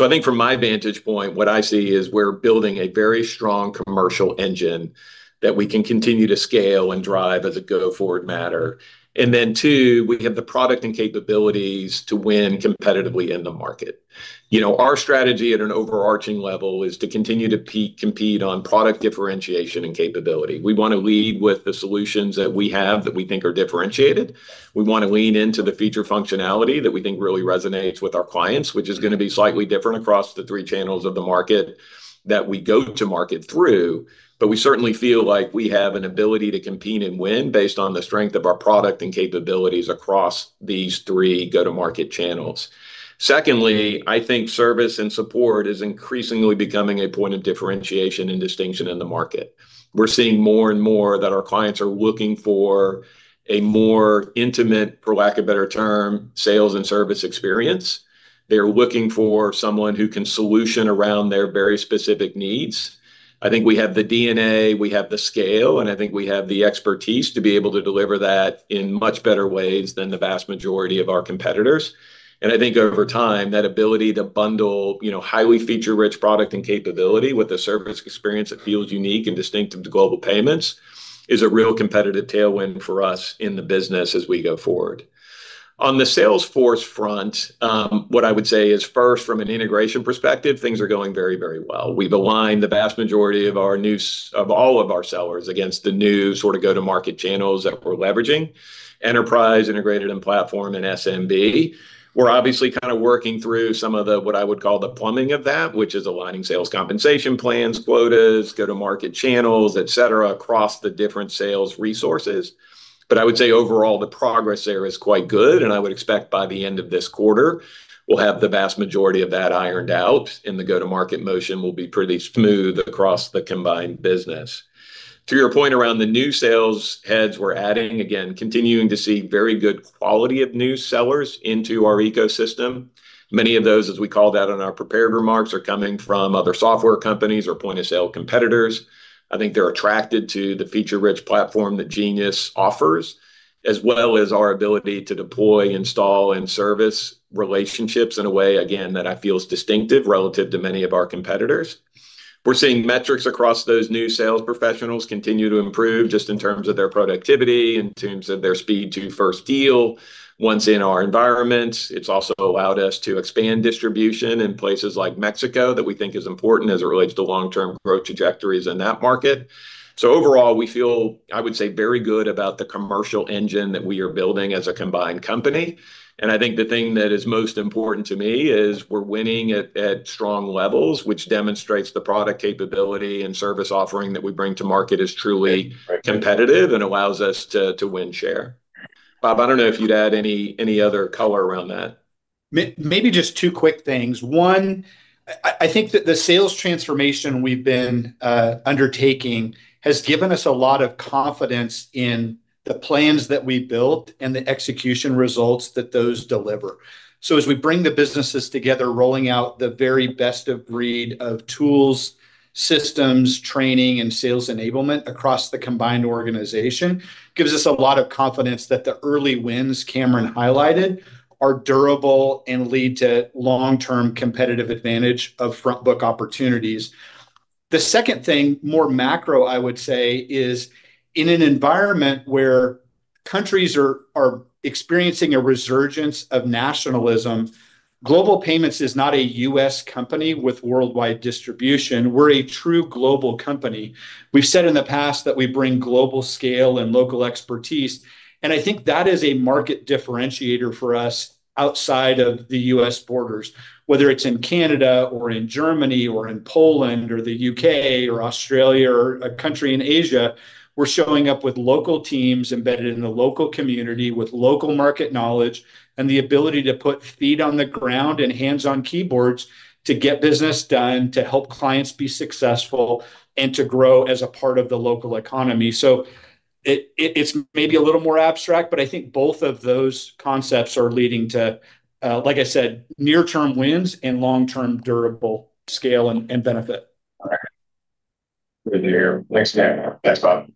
I think from my vantage point, what I see is we're building a very strong commercial engine that we can continue to scale and drive as a go-forward matter. Two, we have the product and capabilities to win competitively in the market. You know, our strategy at an overarching level is to continue to compete on product differentiation and capability. We wanna lead with the solutions that we have that we think are differentiated. We wanna lean into the feature functionality that we think really resonates with our clients, which is gonna be slightly different across the three channels of the market that we go to market through. We certainly feel like we have an ability to compete and win based on the strength of our product and capabilities across these three go-to-market channels. Secondly, I think service and support is increasingly becoming a point of differentiation and distinction in the market. We're seeing more and more that our clients are looking for a more intimate, for lack of better term, sales and service experience. They're looking for someone who can solution around their very specific needs. I think we have the DNA, we have the scale, and I think we have the expertise to be able to deliver that in much better ways than the vast majority of our competitors. I think over time, that ability to bundle, you know, highly feature-rich product and capability with the service experience that feels unique and distinctive to Global Payments is a real competitive tailwind for us in the business as we go forward. On the sales force front, what I would say is first, from an integration perspective, things are going very, very well. We've aligned the vast majority of all of our sellers against the new sort of go-to-market channels that we're leveraging, enterprise integrated and platform and SMB. We're obviously kind of working through some of the, what I would call the plumbing of that, which is aligning sales compensation plans, quotas, go-to-market channels, et cetera, across the different sales resources. I would say overall, the progress there is quite good, and I would expect by the end of this quarter we'll have the vast majority of that ironed out, and the go-to-market motion will be pretty smooth across the combined business. To your point around the new sales heads we're adding, again, continuing to see very good quality of new sellers into our ecosystem. Many of those, as we called out on our prepared remarks, are coming from other software companies or point-of-sale competitors. I think they're attracted to the feature-rich platform that Genius offers, as well as our ability to deploy, install, and service relationships in a way, again, that I feel is distinctive relative to many of our competitors. We're seeing metrics across those new sales professionals continue to improve just in terms of their productivity, in terms of their speed to first deal once in our environment. It's also allowed us to expand distribution in places like Mexico that we think is important as it relates to long-term growth trajectories in that market. Overall, we feel, I would say, very good about the commercial engine that we are building as a combined company, and I think the thing that is most important to me is we're winning at strong levels, which demonstrates the product capability and service offering that we bring to market is truly competitive and allows us to win share. Bob, I don't know if you'd add any other color around that. Maybe just two quick things. One, I think that the sales transformation we've been undertaking has given us a lot of confidence in the plans that we built and the execution results that those deliver. As we bring the businesses together, rolling out the very best of breed of tools, systems, training, and sales enablement across the combined organization gives us a lot of confidence that the early wins Cameron highlighted are durable and lead to long-term competitive advantage of front book opportunities. The second thing, more macro I would say, is in an environment where countries are experiencing a resurgence of nationalism, Global Payments is not a U.S. company with worldwide distribution. We're a true global company. We've said in the past that we bring global scale and local expertise, I think that is a market differentiator for us outside of the U.S. borders. Whether it's in Canada or in Germany or in Poland or the U.K. or Australia or a country in Asia, we're showing up with local teams embedded in the local community with local market knowledge, and the ability to put feet on the ground and hands on keyboards to get business done, to help clients be successful, and to grow as a part of the local economy. it's maybe a little more abstract, but I think both of those concepts are leading to, like I said, near-term wins and long-term durable scale and benefit. Good to hear. Thanks, Cameron. Thanks, Bob.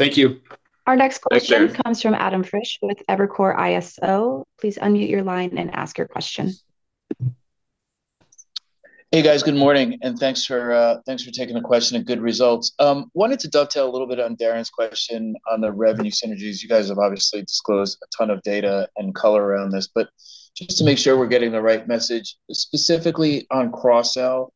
Thank you. Our next question comes from Adam Frisch with Evercore ISI. Please unmute your line and ask your question. Hey, guys. Good morning, and thanks for taking the question and good results. Wanted to dovetail a little bit on Darrin's question on the revenue synergies. You guys have obviously disclosed a ton of data and color around this, but just to make sure we're getting the right message, specifically on cross-sell,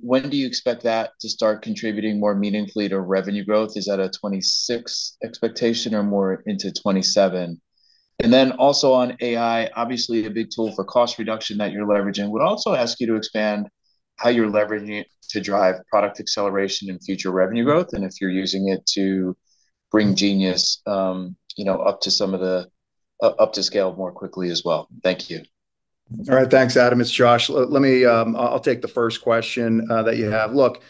when do you expect that to start contributing more meaningfully to revenue growth? Is that a 2026 expectation or more into 2027? Also on AI, obviously a big tool for cost reduction that you're leveraging. Would also ask you to expand how you're leveraging it to drive product acceleration and future revenue growth, and if you're using it to bring Genius, you know, up to some of the up to scale more quickly as well. Thank you. All right. Thanks, Adam. It's Josh. Let me, I'll take the first question that you have. Look,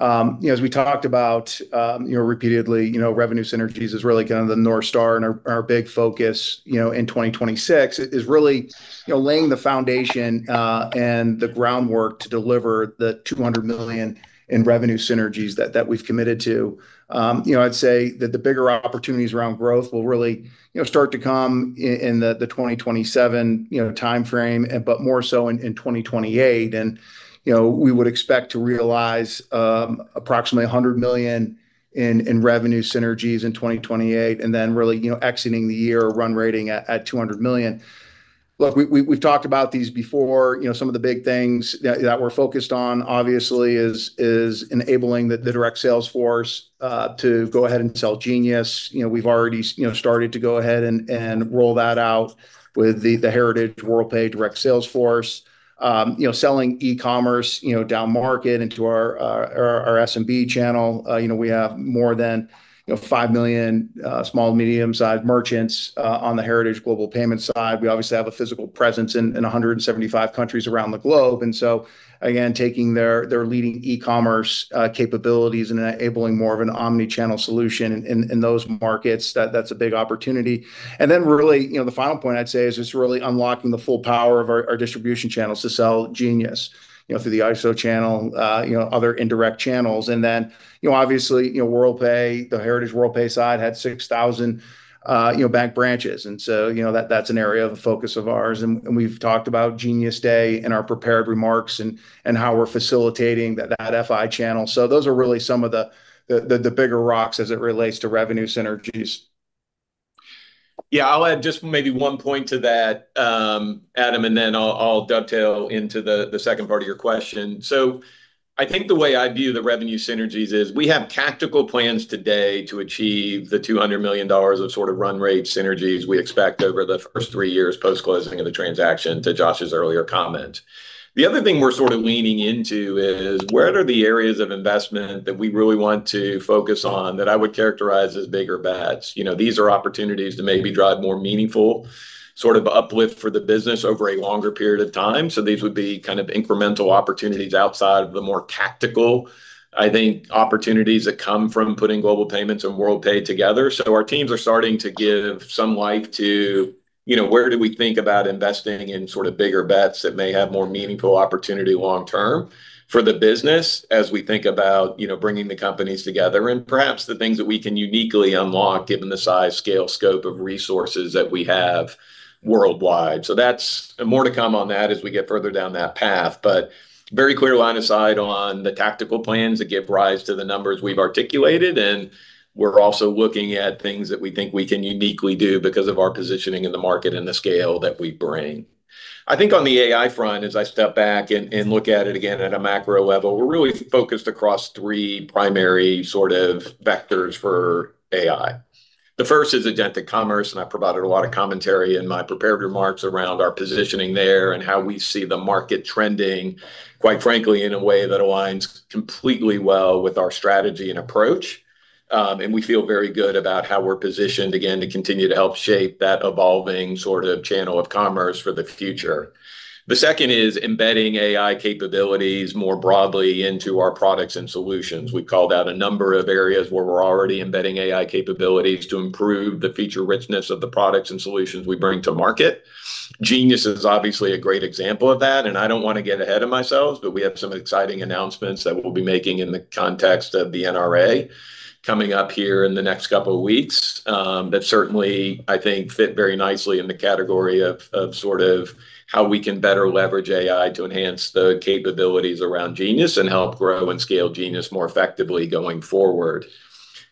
you know, as we talked about, you know, repeatedly, you know, revenue synergies is really kind of the North Star, and our big focus, you know, in 2026 is really, you know, laying the foundation and the groundwork to deliver the $200 million in revenue synergies that we've committed to. You know, I'd say that the bigger opportunities around growth will really, you know, start to come in the 2027, you know, timeframe, but more so in 2028. You know, we would expect to realize approximately $100 million in revenue synergies in 2028, and then really, you know, exiting the year run rating at $200 million. Look, we've talked about these before. You know, some of the big things that we're focused on obviously is enabling the direct sales force to go ahead and sell Genius. You know, we've already started to go ahead and roll that out with the Heritage Worldpay direct sales force. You know, selling e-commerce, you know, down market into our SMB channel. You know, we have more than, you know, 5 million small to medium-sized merchants on the Heritage Global Payments side. We obviously have a physical presence in 175 countries around the globe. Again, taking their leading e-commerce capabilities and enabling more of an omni-channel solution in those markets, that's a big opportunity. Really, you know, the final point I'd say is just really unlocking the full power of our distribution channels to sell Genius, you know, through the ISO channel, you know, other indirect channels. You know, obviously, you know, Worldpay, the Heritage Worldpay side had 6,000, you know, bank branches. You know, that's an area of a focus of ours, and we've talked about Genius Day in our prepared remarks, and how we're facilitating that FI channel. Those are really some of the bigger rocks as it relates to revenue synergies. Yeah. I'll add just maybe one point to that, Adam, and then I'll dovetail into the second part of your question. I think the way I view the revenue synergies is we have tactical plans today to achieve the $200 million of sort of run rate synergies we expect over the first three years post-closing of the transaction, to Josh's earlier comment. The other thing we're sort of leaning into is what are the areas of investment that we really want to focus on that I would characterize as bigger bets? You know, these are opportunities to maybe drive more meaningful sort of uplift for the business over a longer period of time. These would be kind of incremental opportunities outside of the more tactical, I think, opportunities that come from putting Global Payments and Worldpay together. Our teams are starting to give some life to, you know, where do we think about investing in sort of bigger bets that may have more meaningful opportunity long term for the business as we think about, you know, bringing the companies together, and perhaps the things that we can uniquely unlock given the size, scale, scope of resources that we have worldwide. That's And more to come on that as we get further down that path. Very clear line of sight on the tactical plans that give rise to the numbers we've articulated. We're also looking at things that we think we can uniquely do because of our positioning in the market and the scale that we bring. I think on the AI front, as I step back and look at it again at a macro level, we're really focused across three primary sort of vectors for AI. The first is agentic commerce. I provided a lot of commentary in my prepared remarks around our positioning there and how we see the market trending, quite frankly, in a way that aligns completely well with our strategy and approach. We feel very good about how we're positioned, again, to continue to help shape that evolving sort of channel of commerce for the future. The second is embedding AI capabilities more broadly into our products and solutions. We've called out a number of areas where we're already embedding AI capabilities to improve the feature richness of the products and solutions we bring to market. Genius is obviously a great example of that, and I don't want to get ahead of myself, but we have some exciting announcements that we'll be making in the context of the NRA coming up here in the next couple of weeks that certainly I think fit very nicely in the category of sort of how we can better leverage AI to enhance the capabilities around Genius and help grow and scale Genius more effectively going forward.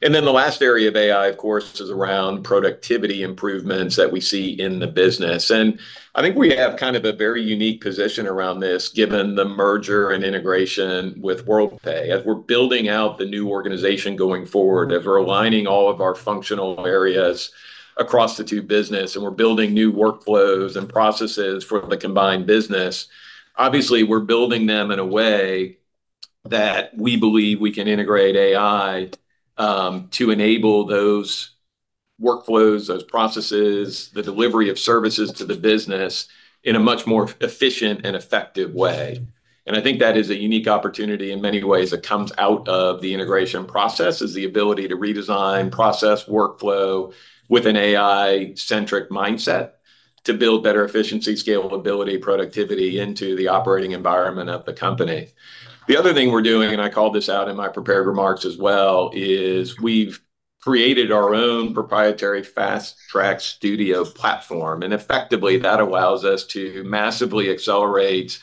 The last area of AI, of course, is around productivity improvements that we see in the business. I think we have kind of a very unique position around this given the merger and integration with Worldpay. As we're building out the new organization going forward, as we're aligning all of our functional areas across the two business and we're building new workflows and processes for the combined business, obviously we're building them in a way that we believe we can integrate AI to enable those workflows, those processes, the delivery of services to the business in a much more efficient and effective way. I think that is a unique opportunity in many ways that comes out of the integration process, is the ability to redesign process workflow with an AI-centric mindset to build better efficiency, scalability, productivity into the operating environment of the company. The other thing we're doing, I called this out in my prepared remarks as well, is we've created our own proprietary fast-track studio platform, effectively that allows us to massively accelerate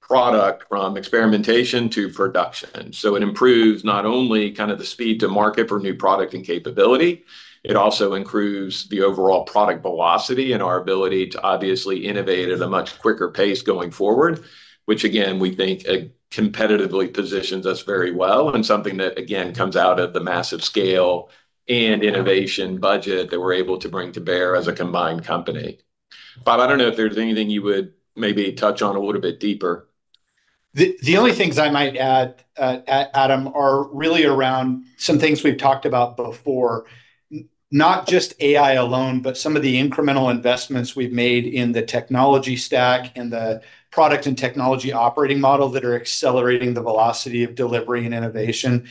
product from experimentation to production. It improves not only kind of the speed to market for new product and capability, it also improves the overall product velocity and our ability to obviously innovate at a much quicker pace going forward, which again, we think competitively positions us very well, and something that, again, comes out of the massive scale and innovation budget that we're able to bring to bear as a combined company. Bob, I don't know if there's anything you would maybe touch on a little bit deeper. The only things I might add, Adam, are really around some things we've talked about before. Not just AI alone, but some of the incremental investments we've made in the technology stack and the product and technology operating model that are accelerating the velocity of delivery and innovation.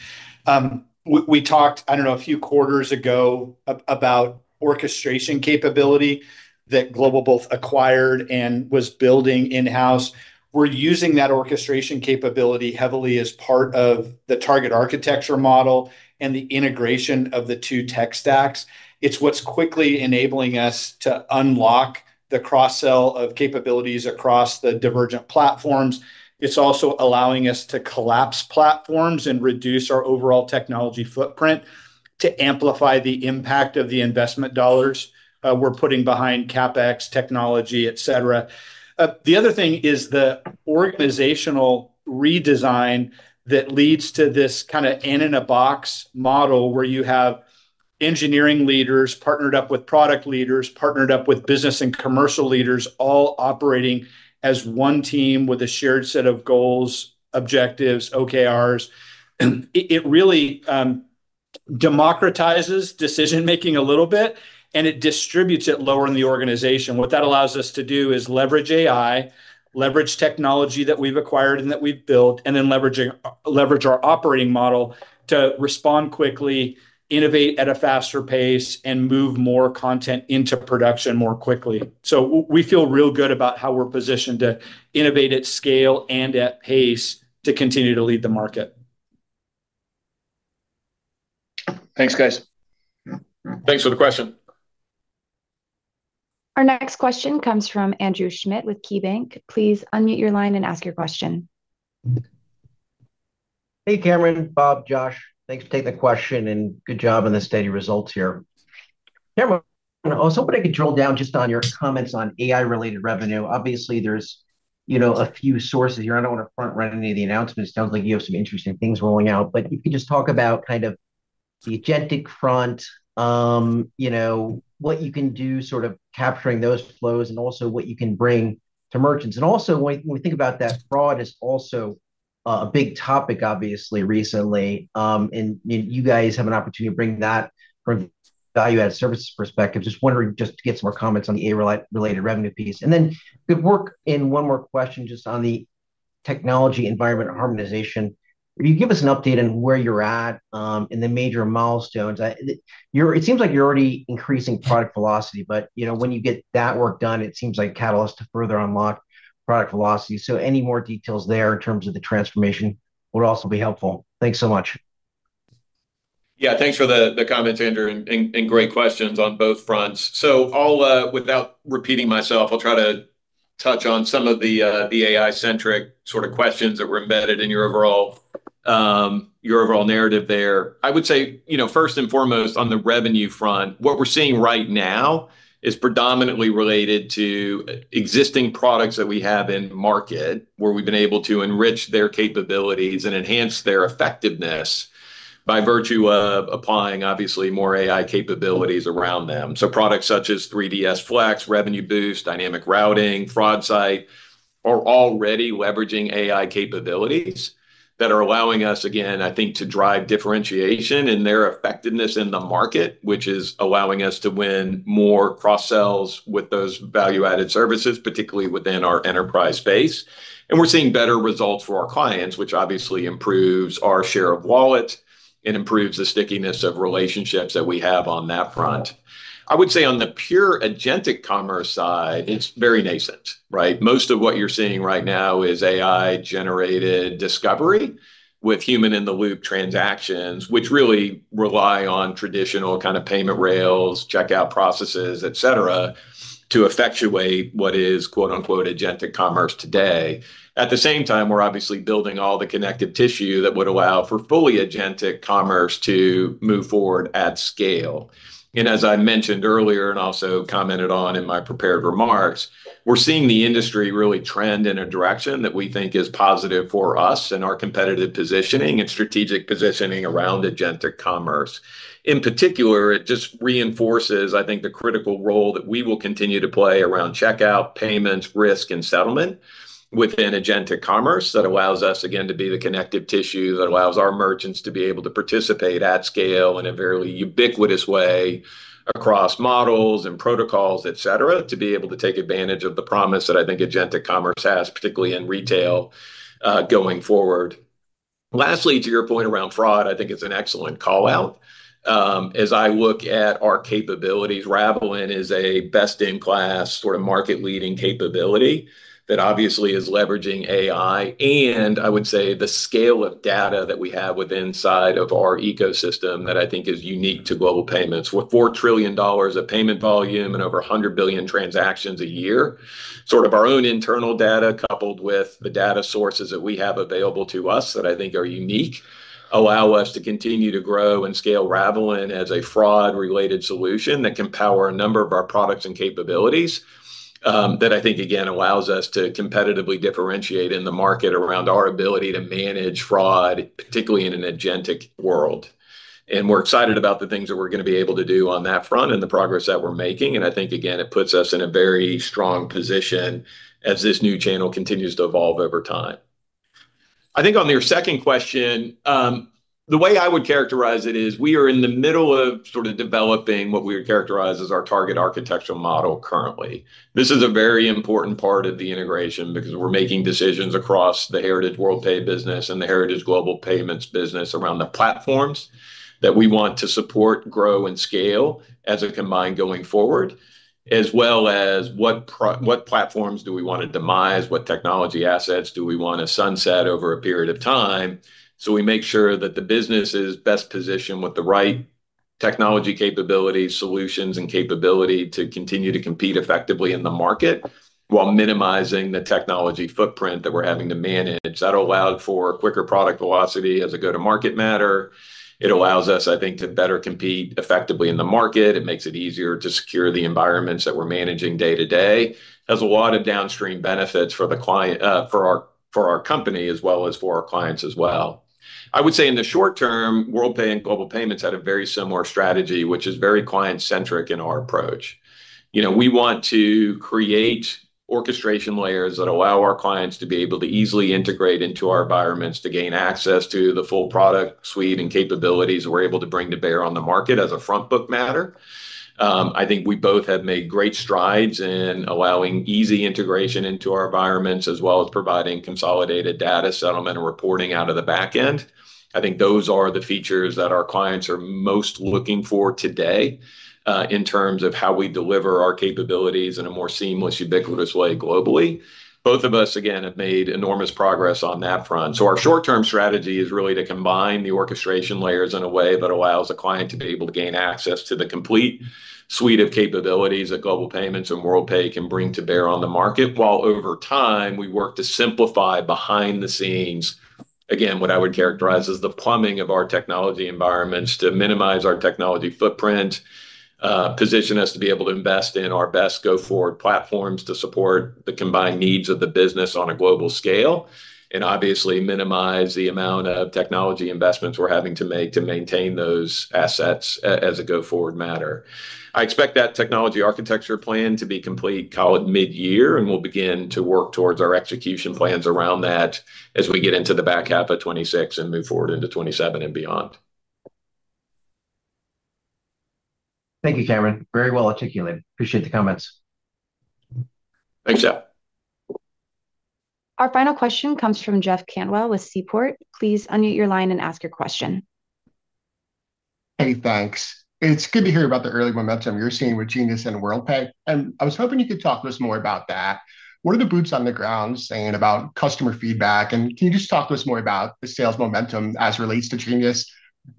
We talked, I don't know, a few quarters ago about orchestration capability that Global acquired and was building in-house. We're using that orchestration capability heavily as part of the target architecture model and the integration of the two tech stacks. It's what's quickly enabling us to unlock the cross-sell of capabilities across the divergent platforms. It's also allowing us to collapse platforms and reduce our overall technology footprint to amplify the impact of the investment dollars we're putting behind CapEx technology, et cetera. The other thing is the organizational redesign that leads to this kind of N-in-a-box model. Engineering leaders partnered up with product leaders, partnered up with business and commercial leaders, all operating as one team with a shared set of goals, objectives, OKRs. It really democratizes decision-making a little bit, and it distributes it lower in the organization. What that allows us to do is leverage AI, leverage technology that we've acquired and that we've built, and then leveraging our operating model to respond quickly, innovate at a faster pace, and move more content into production more quickly. We feel real good about how we're positioned to innovate at scale and at pace to continue to lead the market. Thanks, guys. Thanks for the question. Our next question comes from Andrew Schmidt with KeyBanc. Hey, Cameron, Bob, Josh, thanks for taking the question, and good job on the steady results here. Cameron, I was hoping I could drill down just on your comments on AI-related revenue. Obviously, there's, you know, a few sources here. I don't want to front-run any of the announcements. Sounds like you have some interesting things rolling out. If you could just talk about kind of the agentic front, you know, what you can do sort of capturing those flows and also what you can bring to merchants. Also, when we think about that, fraud is also a big topic obviously recently. You guys have an opportunity to bring that from value-added services perspective. Just wondering just to get some more comments on the AI-related revenue piece. If we work in one more question just on the technology environment harmonization. Can you give us an update on where you're at in the major milestones? It seems like you're already increasing product velocity, but, you know, when you get that work done, it seems like a catalyst to further unlock product velocity. Any more details there in terms of the transformation would also be helpful. Thanks so much. Yeah, thanks for the comments, Andrew, and great questions on both fronts. I'll, without repeating myself, I'll try to touch on some of the AI-centric sort of questions that were embedded in your overall narrative there. I would say, you know, first and foremost on the revenue front, what we're seeing right now is predominantly related to existing products that we have in market, where we've been able to enrich their capabilities and enhance their effectiveness by virtue of applying obviously more AI capabilities around them. Products such as 3DS Flex, Revenue Boost, Dynamic Routing, FraudSight are already leveraging AI capabilities that are allowing us, again, I think, to drive differentiation in their effectiveness in the market, which is allowing us to win more cross-sells with those value-added services, particularly within our enterprise base. We're seeing better results for our clients, which obviously improves our share of wallet and improves the stickiness of relationships that we have on that front. I would say on the pure agentic commerce side, it's very nascent, right? Most of what you're seeing right now is AI-generated discovery with human-in-the-loop transactions, which really rely on traditional kind of payment rails, checkout processes, et cetera, to effectuate what is, quote-unquote, "agentic commerce" today. At the same time, we're obviously building all the connective tissue that would allow for fully agentic commerce to move forward at scale. As I mentioned earlier, and also commented on in my prepared remarks, we're seeing the industry really trend in a direction that we think is positive for us and our competitive positioning and strategic positioning around agentic commerce. In particular, it just reinforces, I think, the critical role that we will continue to play around checkout, payments, risk, and settlement within agentic commerce that allows us, again, to be the connective tissue, that allows our merchants to be able to participate at scale in a very ubiquitous way across models and protocols, et cetera, to be able to take advantage of the promise that I think agentic commerce has, particularly in retail, going forward. Lastly, to your point around fraud, I think it's an excellent call-out. As I look at our capabilities, Ravelin is a best-in-class sort of market-leading capability that obviously is leveraging AI, and I would say the scale of data that we have within side of our ecosystem that I think is unique to Global Payments. With $4 trillion of payment volume and over a hundred billion transactions a year, sort of our own internal data coupled with the data sources that we have available to us that I think are unique, allow us to continue to grow and scale Ravelin as a fraud-related solution that can power a number of our products and capabilities, that I think, again, allows us to competitively differentiate in the market around our ability to manage fraud, particularly in an agentic world. We're excited about the things that we're gonna be able to do on that front and the progress that we're making. I think, again, it puts us in a very strong position as this new channel continues to evolve over time. I think on your second question, the way I would characterize it is we are in the middle of sort of developing what we would characterize as our target architectural model currently. This is a very important part of the integration because we're making decisions across the heritage Worldpay business and the heritage Global Payments business around the platforms that we want to support, grow, and scale as a combined going forward, as well as what platforms do we want to demise, what technology assets do we want to sunset over a period of time, so we make sure that the business is best positioned with the right technology capabilities, solutions, and capability to continue to compete effectively in the market while minimizing the technology footprint that we're having to manage. That allowed for quicker product velocity as a go-to-market matter. It allows us, I think, to better compete effectively in the market. It makes it easier to secure the environments that we're managing day to day. Has a lot of downstream benefits for our, for our company as well as for our clients as well. I would say in the short term, Worldpay and Global Payments had a very similar strategy, which is very client-centric in our approach. You know, we want to create orchestration layers that allow our clients to be able to easily integrate into our environments to gain access to the full product suite and capabilities we're able to bring to bear on the market as a front-book matter. I think we both have made great strides in allowing easy integration into our environments, as well as providing consolidated data settlement and reporting out of the back end. I think those are the features that our clients are most looking for today, in terms of how we deliver our capabilities in a more seamless, ubiquitous way globally. Both of us, again, have made enormous progress on that front. Our short-term strategy is really to combine the orchestration layers in a way that allows a client to be able to gain access to the complete suite of capabilities that Global Payments and Worldpay can bring to bear on the market, while over time we work to simplify behind the scenes, again, what I would characterize as the plumbing of our technology environments to minimize our technology footprint, position us to be able to invest in our best go-forward platforms to support the combined needs of the business on a global scale, and obviously minimize the amount of technology investments we're having to make to maintain those assets as a go-forward matter. I expect that technology architecture plan to be complete call it mid-year, and we'll begin to work towards our execution plans around that as we get into the back half of 2026 and move forward into 2027 and beyond. Thank you, Cameron. Very well articulated. Appreciate the comments. Thanks. Our final question comes from Jeff Cantwell with Seaport. Please unmute your line and ask your question. Hey, thanks. It's good to hear about the early momentum you're seeing with Genius and Worldpay, I was hoping you could talk to us more about that. What are the boots on the ground saying about customer feedback, Can you just talk to us more about the sales momentum as it relates to Genius?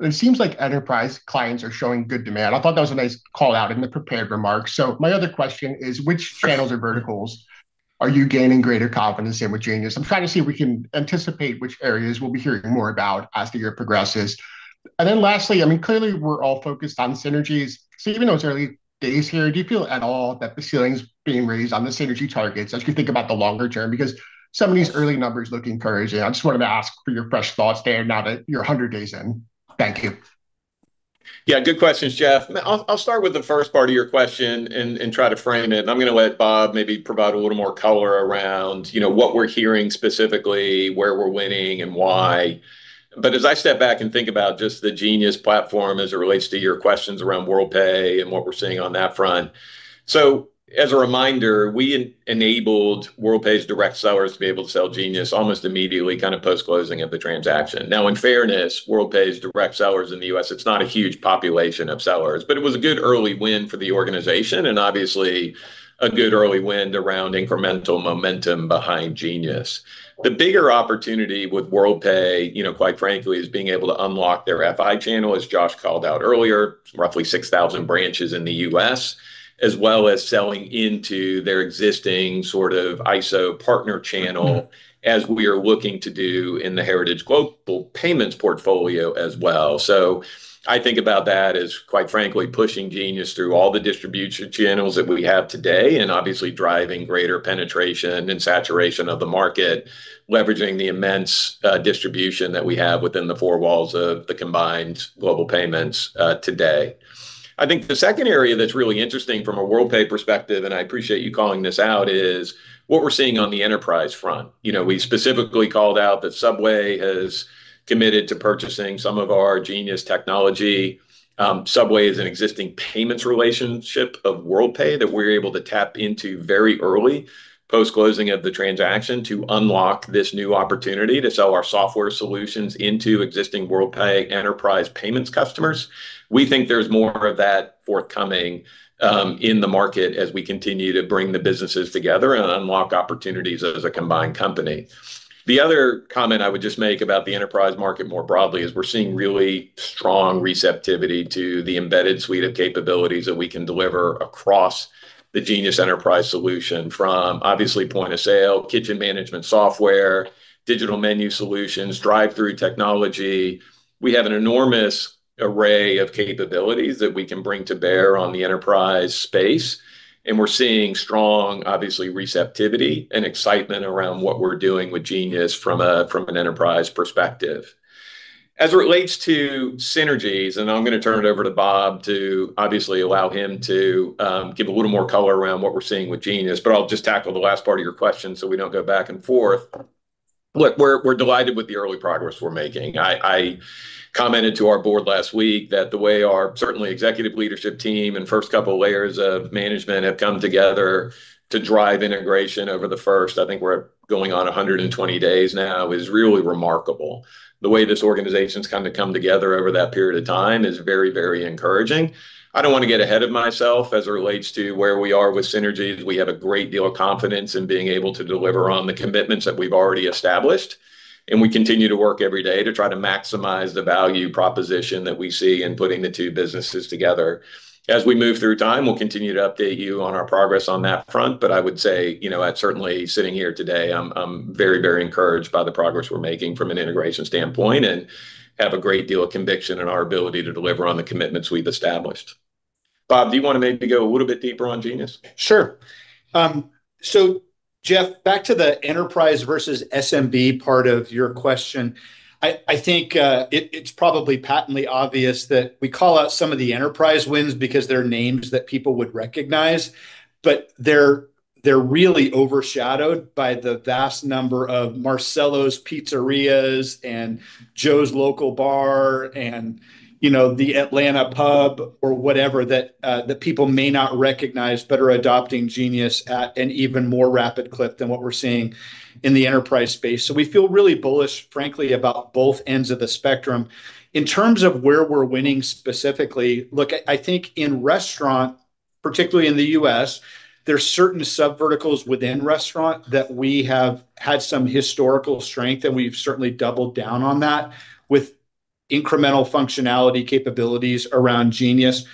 It seems like enterprise clients are showing good demand. I thought that was a nice call-out in the prepared remarks. My other question is which channels or verticals are you gaining greater confidence in with Genius? I'm trying to see if we can anticipate which areas we'll be hearing more about as the year progresses. Then lastly, I mean, clearly we're all focused on synergies. Even though it's early days here, do you feel at all that the ceiling's being raised on the synergy targets as you think about the longer term? Some of these early numbers look encouraging. I just wanted to ask for your fresh thoughts there now that you're 100 days in. Thank you. Yeah, good questions, Jeff. I'll start with the first part of your question and try to frame it. I'm gonna let Bob maybe provide a little more color around, you know, what we're hearing specifically, where we're winning and why. As I step back and think about just the Genius platform as it relates to your questions around Worldpay and what we're seeing on that front. As a reminder, we enabled Worldpay's direct sellers to be able to sell Genius almost immediately kind of post-closing of the transaction. Now in fairness, Worldpay's direct sellers in the U.S., it's not a huge population of sellers. It was a good early win for the organization and obviously a good early win around incremental momentum behind Genius. The bigger opportunity with Worldpay, you know, quite frankly is being able to unlock their FI channel, as Josh called out earlier. Roughly 6,000 branches in the U.S., as well as selling into their existing sort of ISO partner channel as we are looking to do in the heritage Global Payments portfolio as well. I think about that as, quite frankly, pushing Genius through all the distribution channels that we have today, and obviously driving greater penetration and saturation of the market, leveraging the immense distribution that we have within the four walls of the combined Global Payments today. I think the second area that's really interesting from a Worldpay perspective, and I appreciate you calling this out, is what we're seeing on the enterprise front. You know, we specifically called out that Subway has committed to purchasing some of our Genius technology. Subway is an existing payments relationship of Worldpay that we were able to tap into very early post-closing of the transaction to unlock this new opportunity to sell our software solutions into existing Worldpay enterprise payments customers. We think there's more of that forthcoming in the market as we continue to bring the businesses together and unlock opportunities as a combined company. The other comment I would just make about the enterprise market more broadly is we're seeing really strong receptivity to the embedded suite of capabilities that we can deliver across the Genius enterprise solution from obviously point-of-sale, kitchen management software, digital menu solutions, drive-through technology. We have an enormous array of capabilities that we can bring to bear on the enterprise space, and we're seeing strong, obviously, receptivity and excitement around what we're doing with Genius from an enterprise perspective. As it relates to synergies, and I'm gonna turn it over to Bob Cortopassi to obviously allow him to give a little more color around what we're seeing with Genius, but I'll just tackle the last part of your question so we don't go back and forth. Look, we're delighted with the early progress we're making. I commented to our board last week that the way our certainly executive leadership team and first couple of layers of management have come together to drive integration over the first, I think we're going on 120 days now, is really remarkable. The way this organization's kind of come together over that period of time is very encouraging. I don't want to get ahead of myself as it relates to where we are with synergies. We have a great deal of confidence in being able to deliver on the commitments that we've already established. We continue to work every day to try to maximize the value proposition that we see in putting the two businesses together. As we move through time, we'll continue to update you on our progress on that front. I would say, you know, I'd certainly sitting here today, I'm very, very encouraged by the progress we're making from an integration standpoint and have a great deal of conviction in our ability to deliver on the commitments we've established. Bob, do you wanna maybe go a little bit deeper on Genius? Sure. Jeff, back to the enterprise versus SMB part of your question. I think it's probably patently obvious that we call out some of the enterprise wins because they're names that people would recognize, but they're really overshadowed by the vast number of Marcello's Pizzerias, and Joe's Local Bar, and, you know, The Atlanta Pub, or whatever, that people may not recognize, but are adopting Genius at an even more rapid clip than what we're seeing in the enterprise space. We feel really bullish, frankly, about both ends of the spectrum. In terms of where we're winning specifically, look, I think in restaurant, particularly in the U.S., there's certain sub-verticals within restaurant that we have had some historical strength, and we've certainly doubled down on that with incremental functionality capabilities around Genius.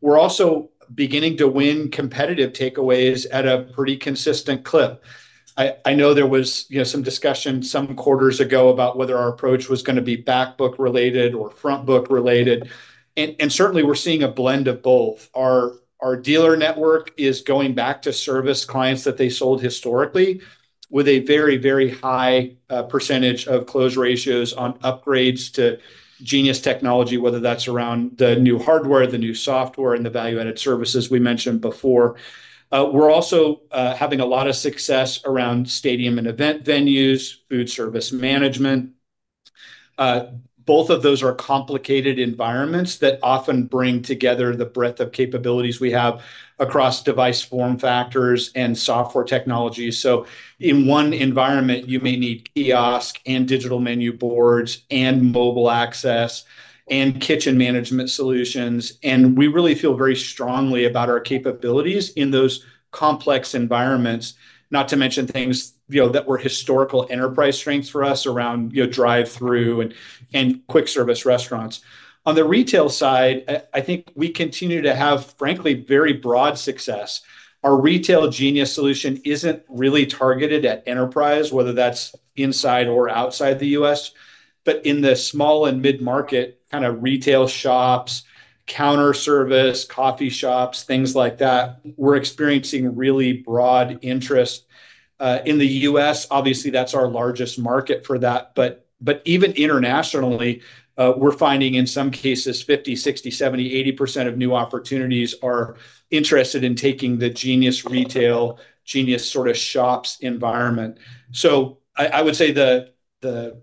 We're also beginning to win competitive takeaways at a pretty consistent clip. I know there was, you know, some discussion some quarters ago about whether our approach was gonna be back book related or front book related, and certainly we're seeing a blend of both. Our dealer network is going back to service clients that they sold historically with a very high percentage of close ratios on upgrades to Genius technology, whether that's around the new hardware, the new software, and the value-added services we mentioned before. We're also having a lot of success around stadium and event venues, food service management. Both of those are complicated environments that often bring together the breadth of capabilities we have across device form factors and software technology. In one environment you may need kiosk, and digital menu boards, and mobile access, and kitchen management solutions. We really feel very strongly about our capabilities in those complex environments, not to mention things, you know, that were historical enterprise strengths for us around, you know, drive through and quick service restaurants. On the retail side, I think we continue to have, frankly, very broad success. Our retail Genius solution isn't really targeted at enterprise, whether that's inside or outside the U.S., but in the small and mid-market kinda retail shops, counter service, coffee shops, things like that, we're experiencing really broad interest. In the U.S., obviously that's our largest market for that, but even internationally, we're finding in some cases 50%, 60%, 70%, 80% of new opportunities are interested in taking the Genius retail, Genius sorta shops environment. I would say the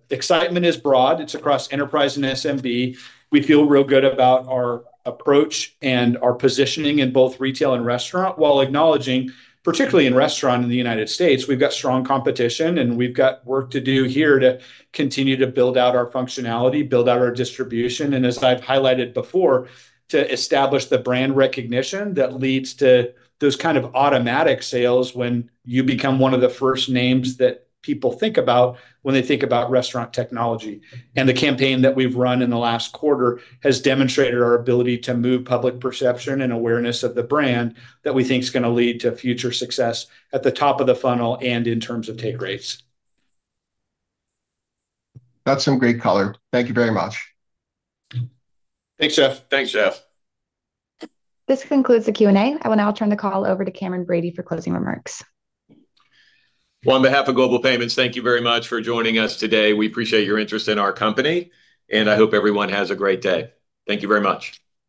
excitement is broad. It's across enterprise and SMB. We feel real good about our approach and our positioning in both retail and restaurant, while acknowledging, particularly in restaurant in the U.S., we've got strong competition, and we've got work to do here to continue to build out our functionality, build out our distribution, and as I've highlighted before, to establish the brand recognition that leads to those kind of automatic sales when you become one of the first names that people think about when they think about restaurant technology. The campaign that we've run in the last quarter has demonstrated our ability to move public perception and awareness of the brand that we think is gonna lead to future success at the top of the funnel and in terms of take rates. That's some great color. Thank you very much. Thanks, Jeff. Thanks, Jeff. This concludes the Q and A. I will now turn the call over to Cameron Bready for closing remarks. Well, on behalf of Global Payments, thank you very much for joining us today. We appreciate your interest in our company, and I hope everyone has a great day. Thank you very much.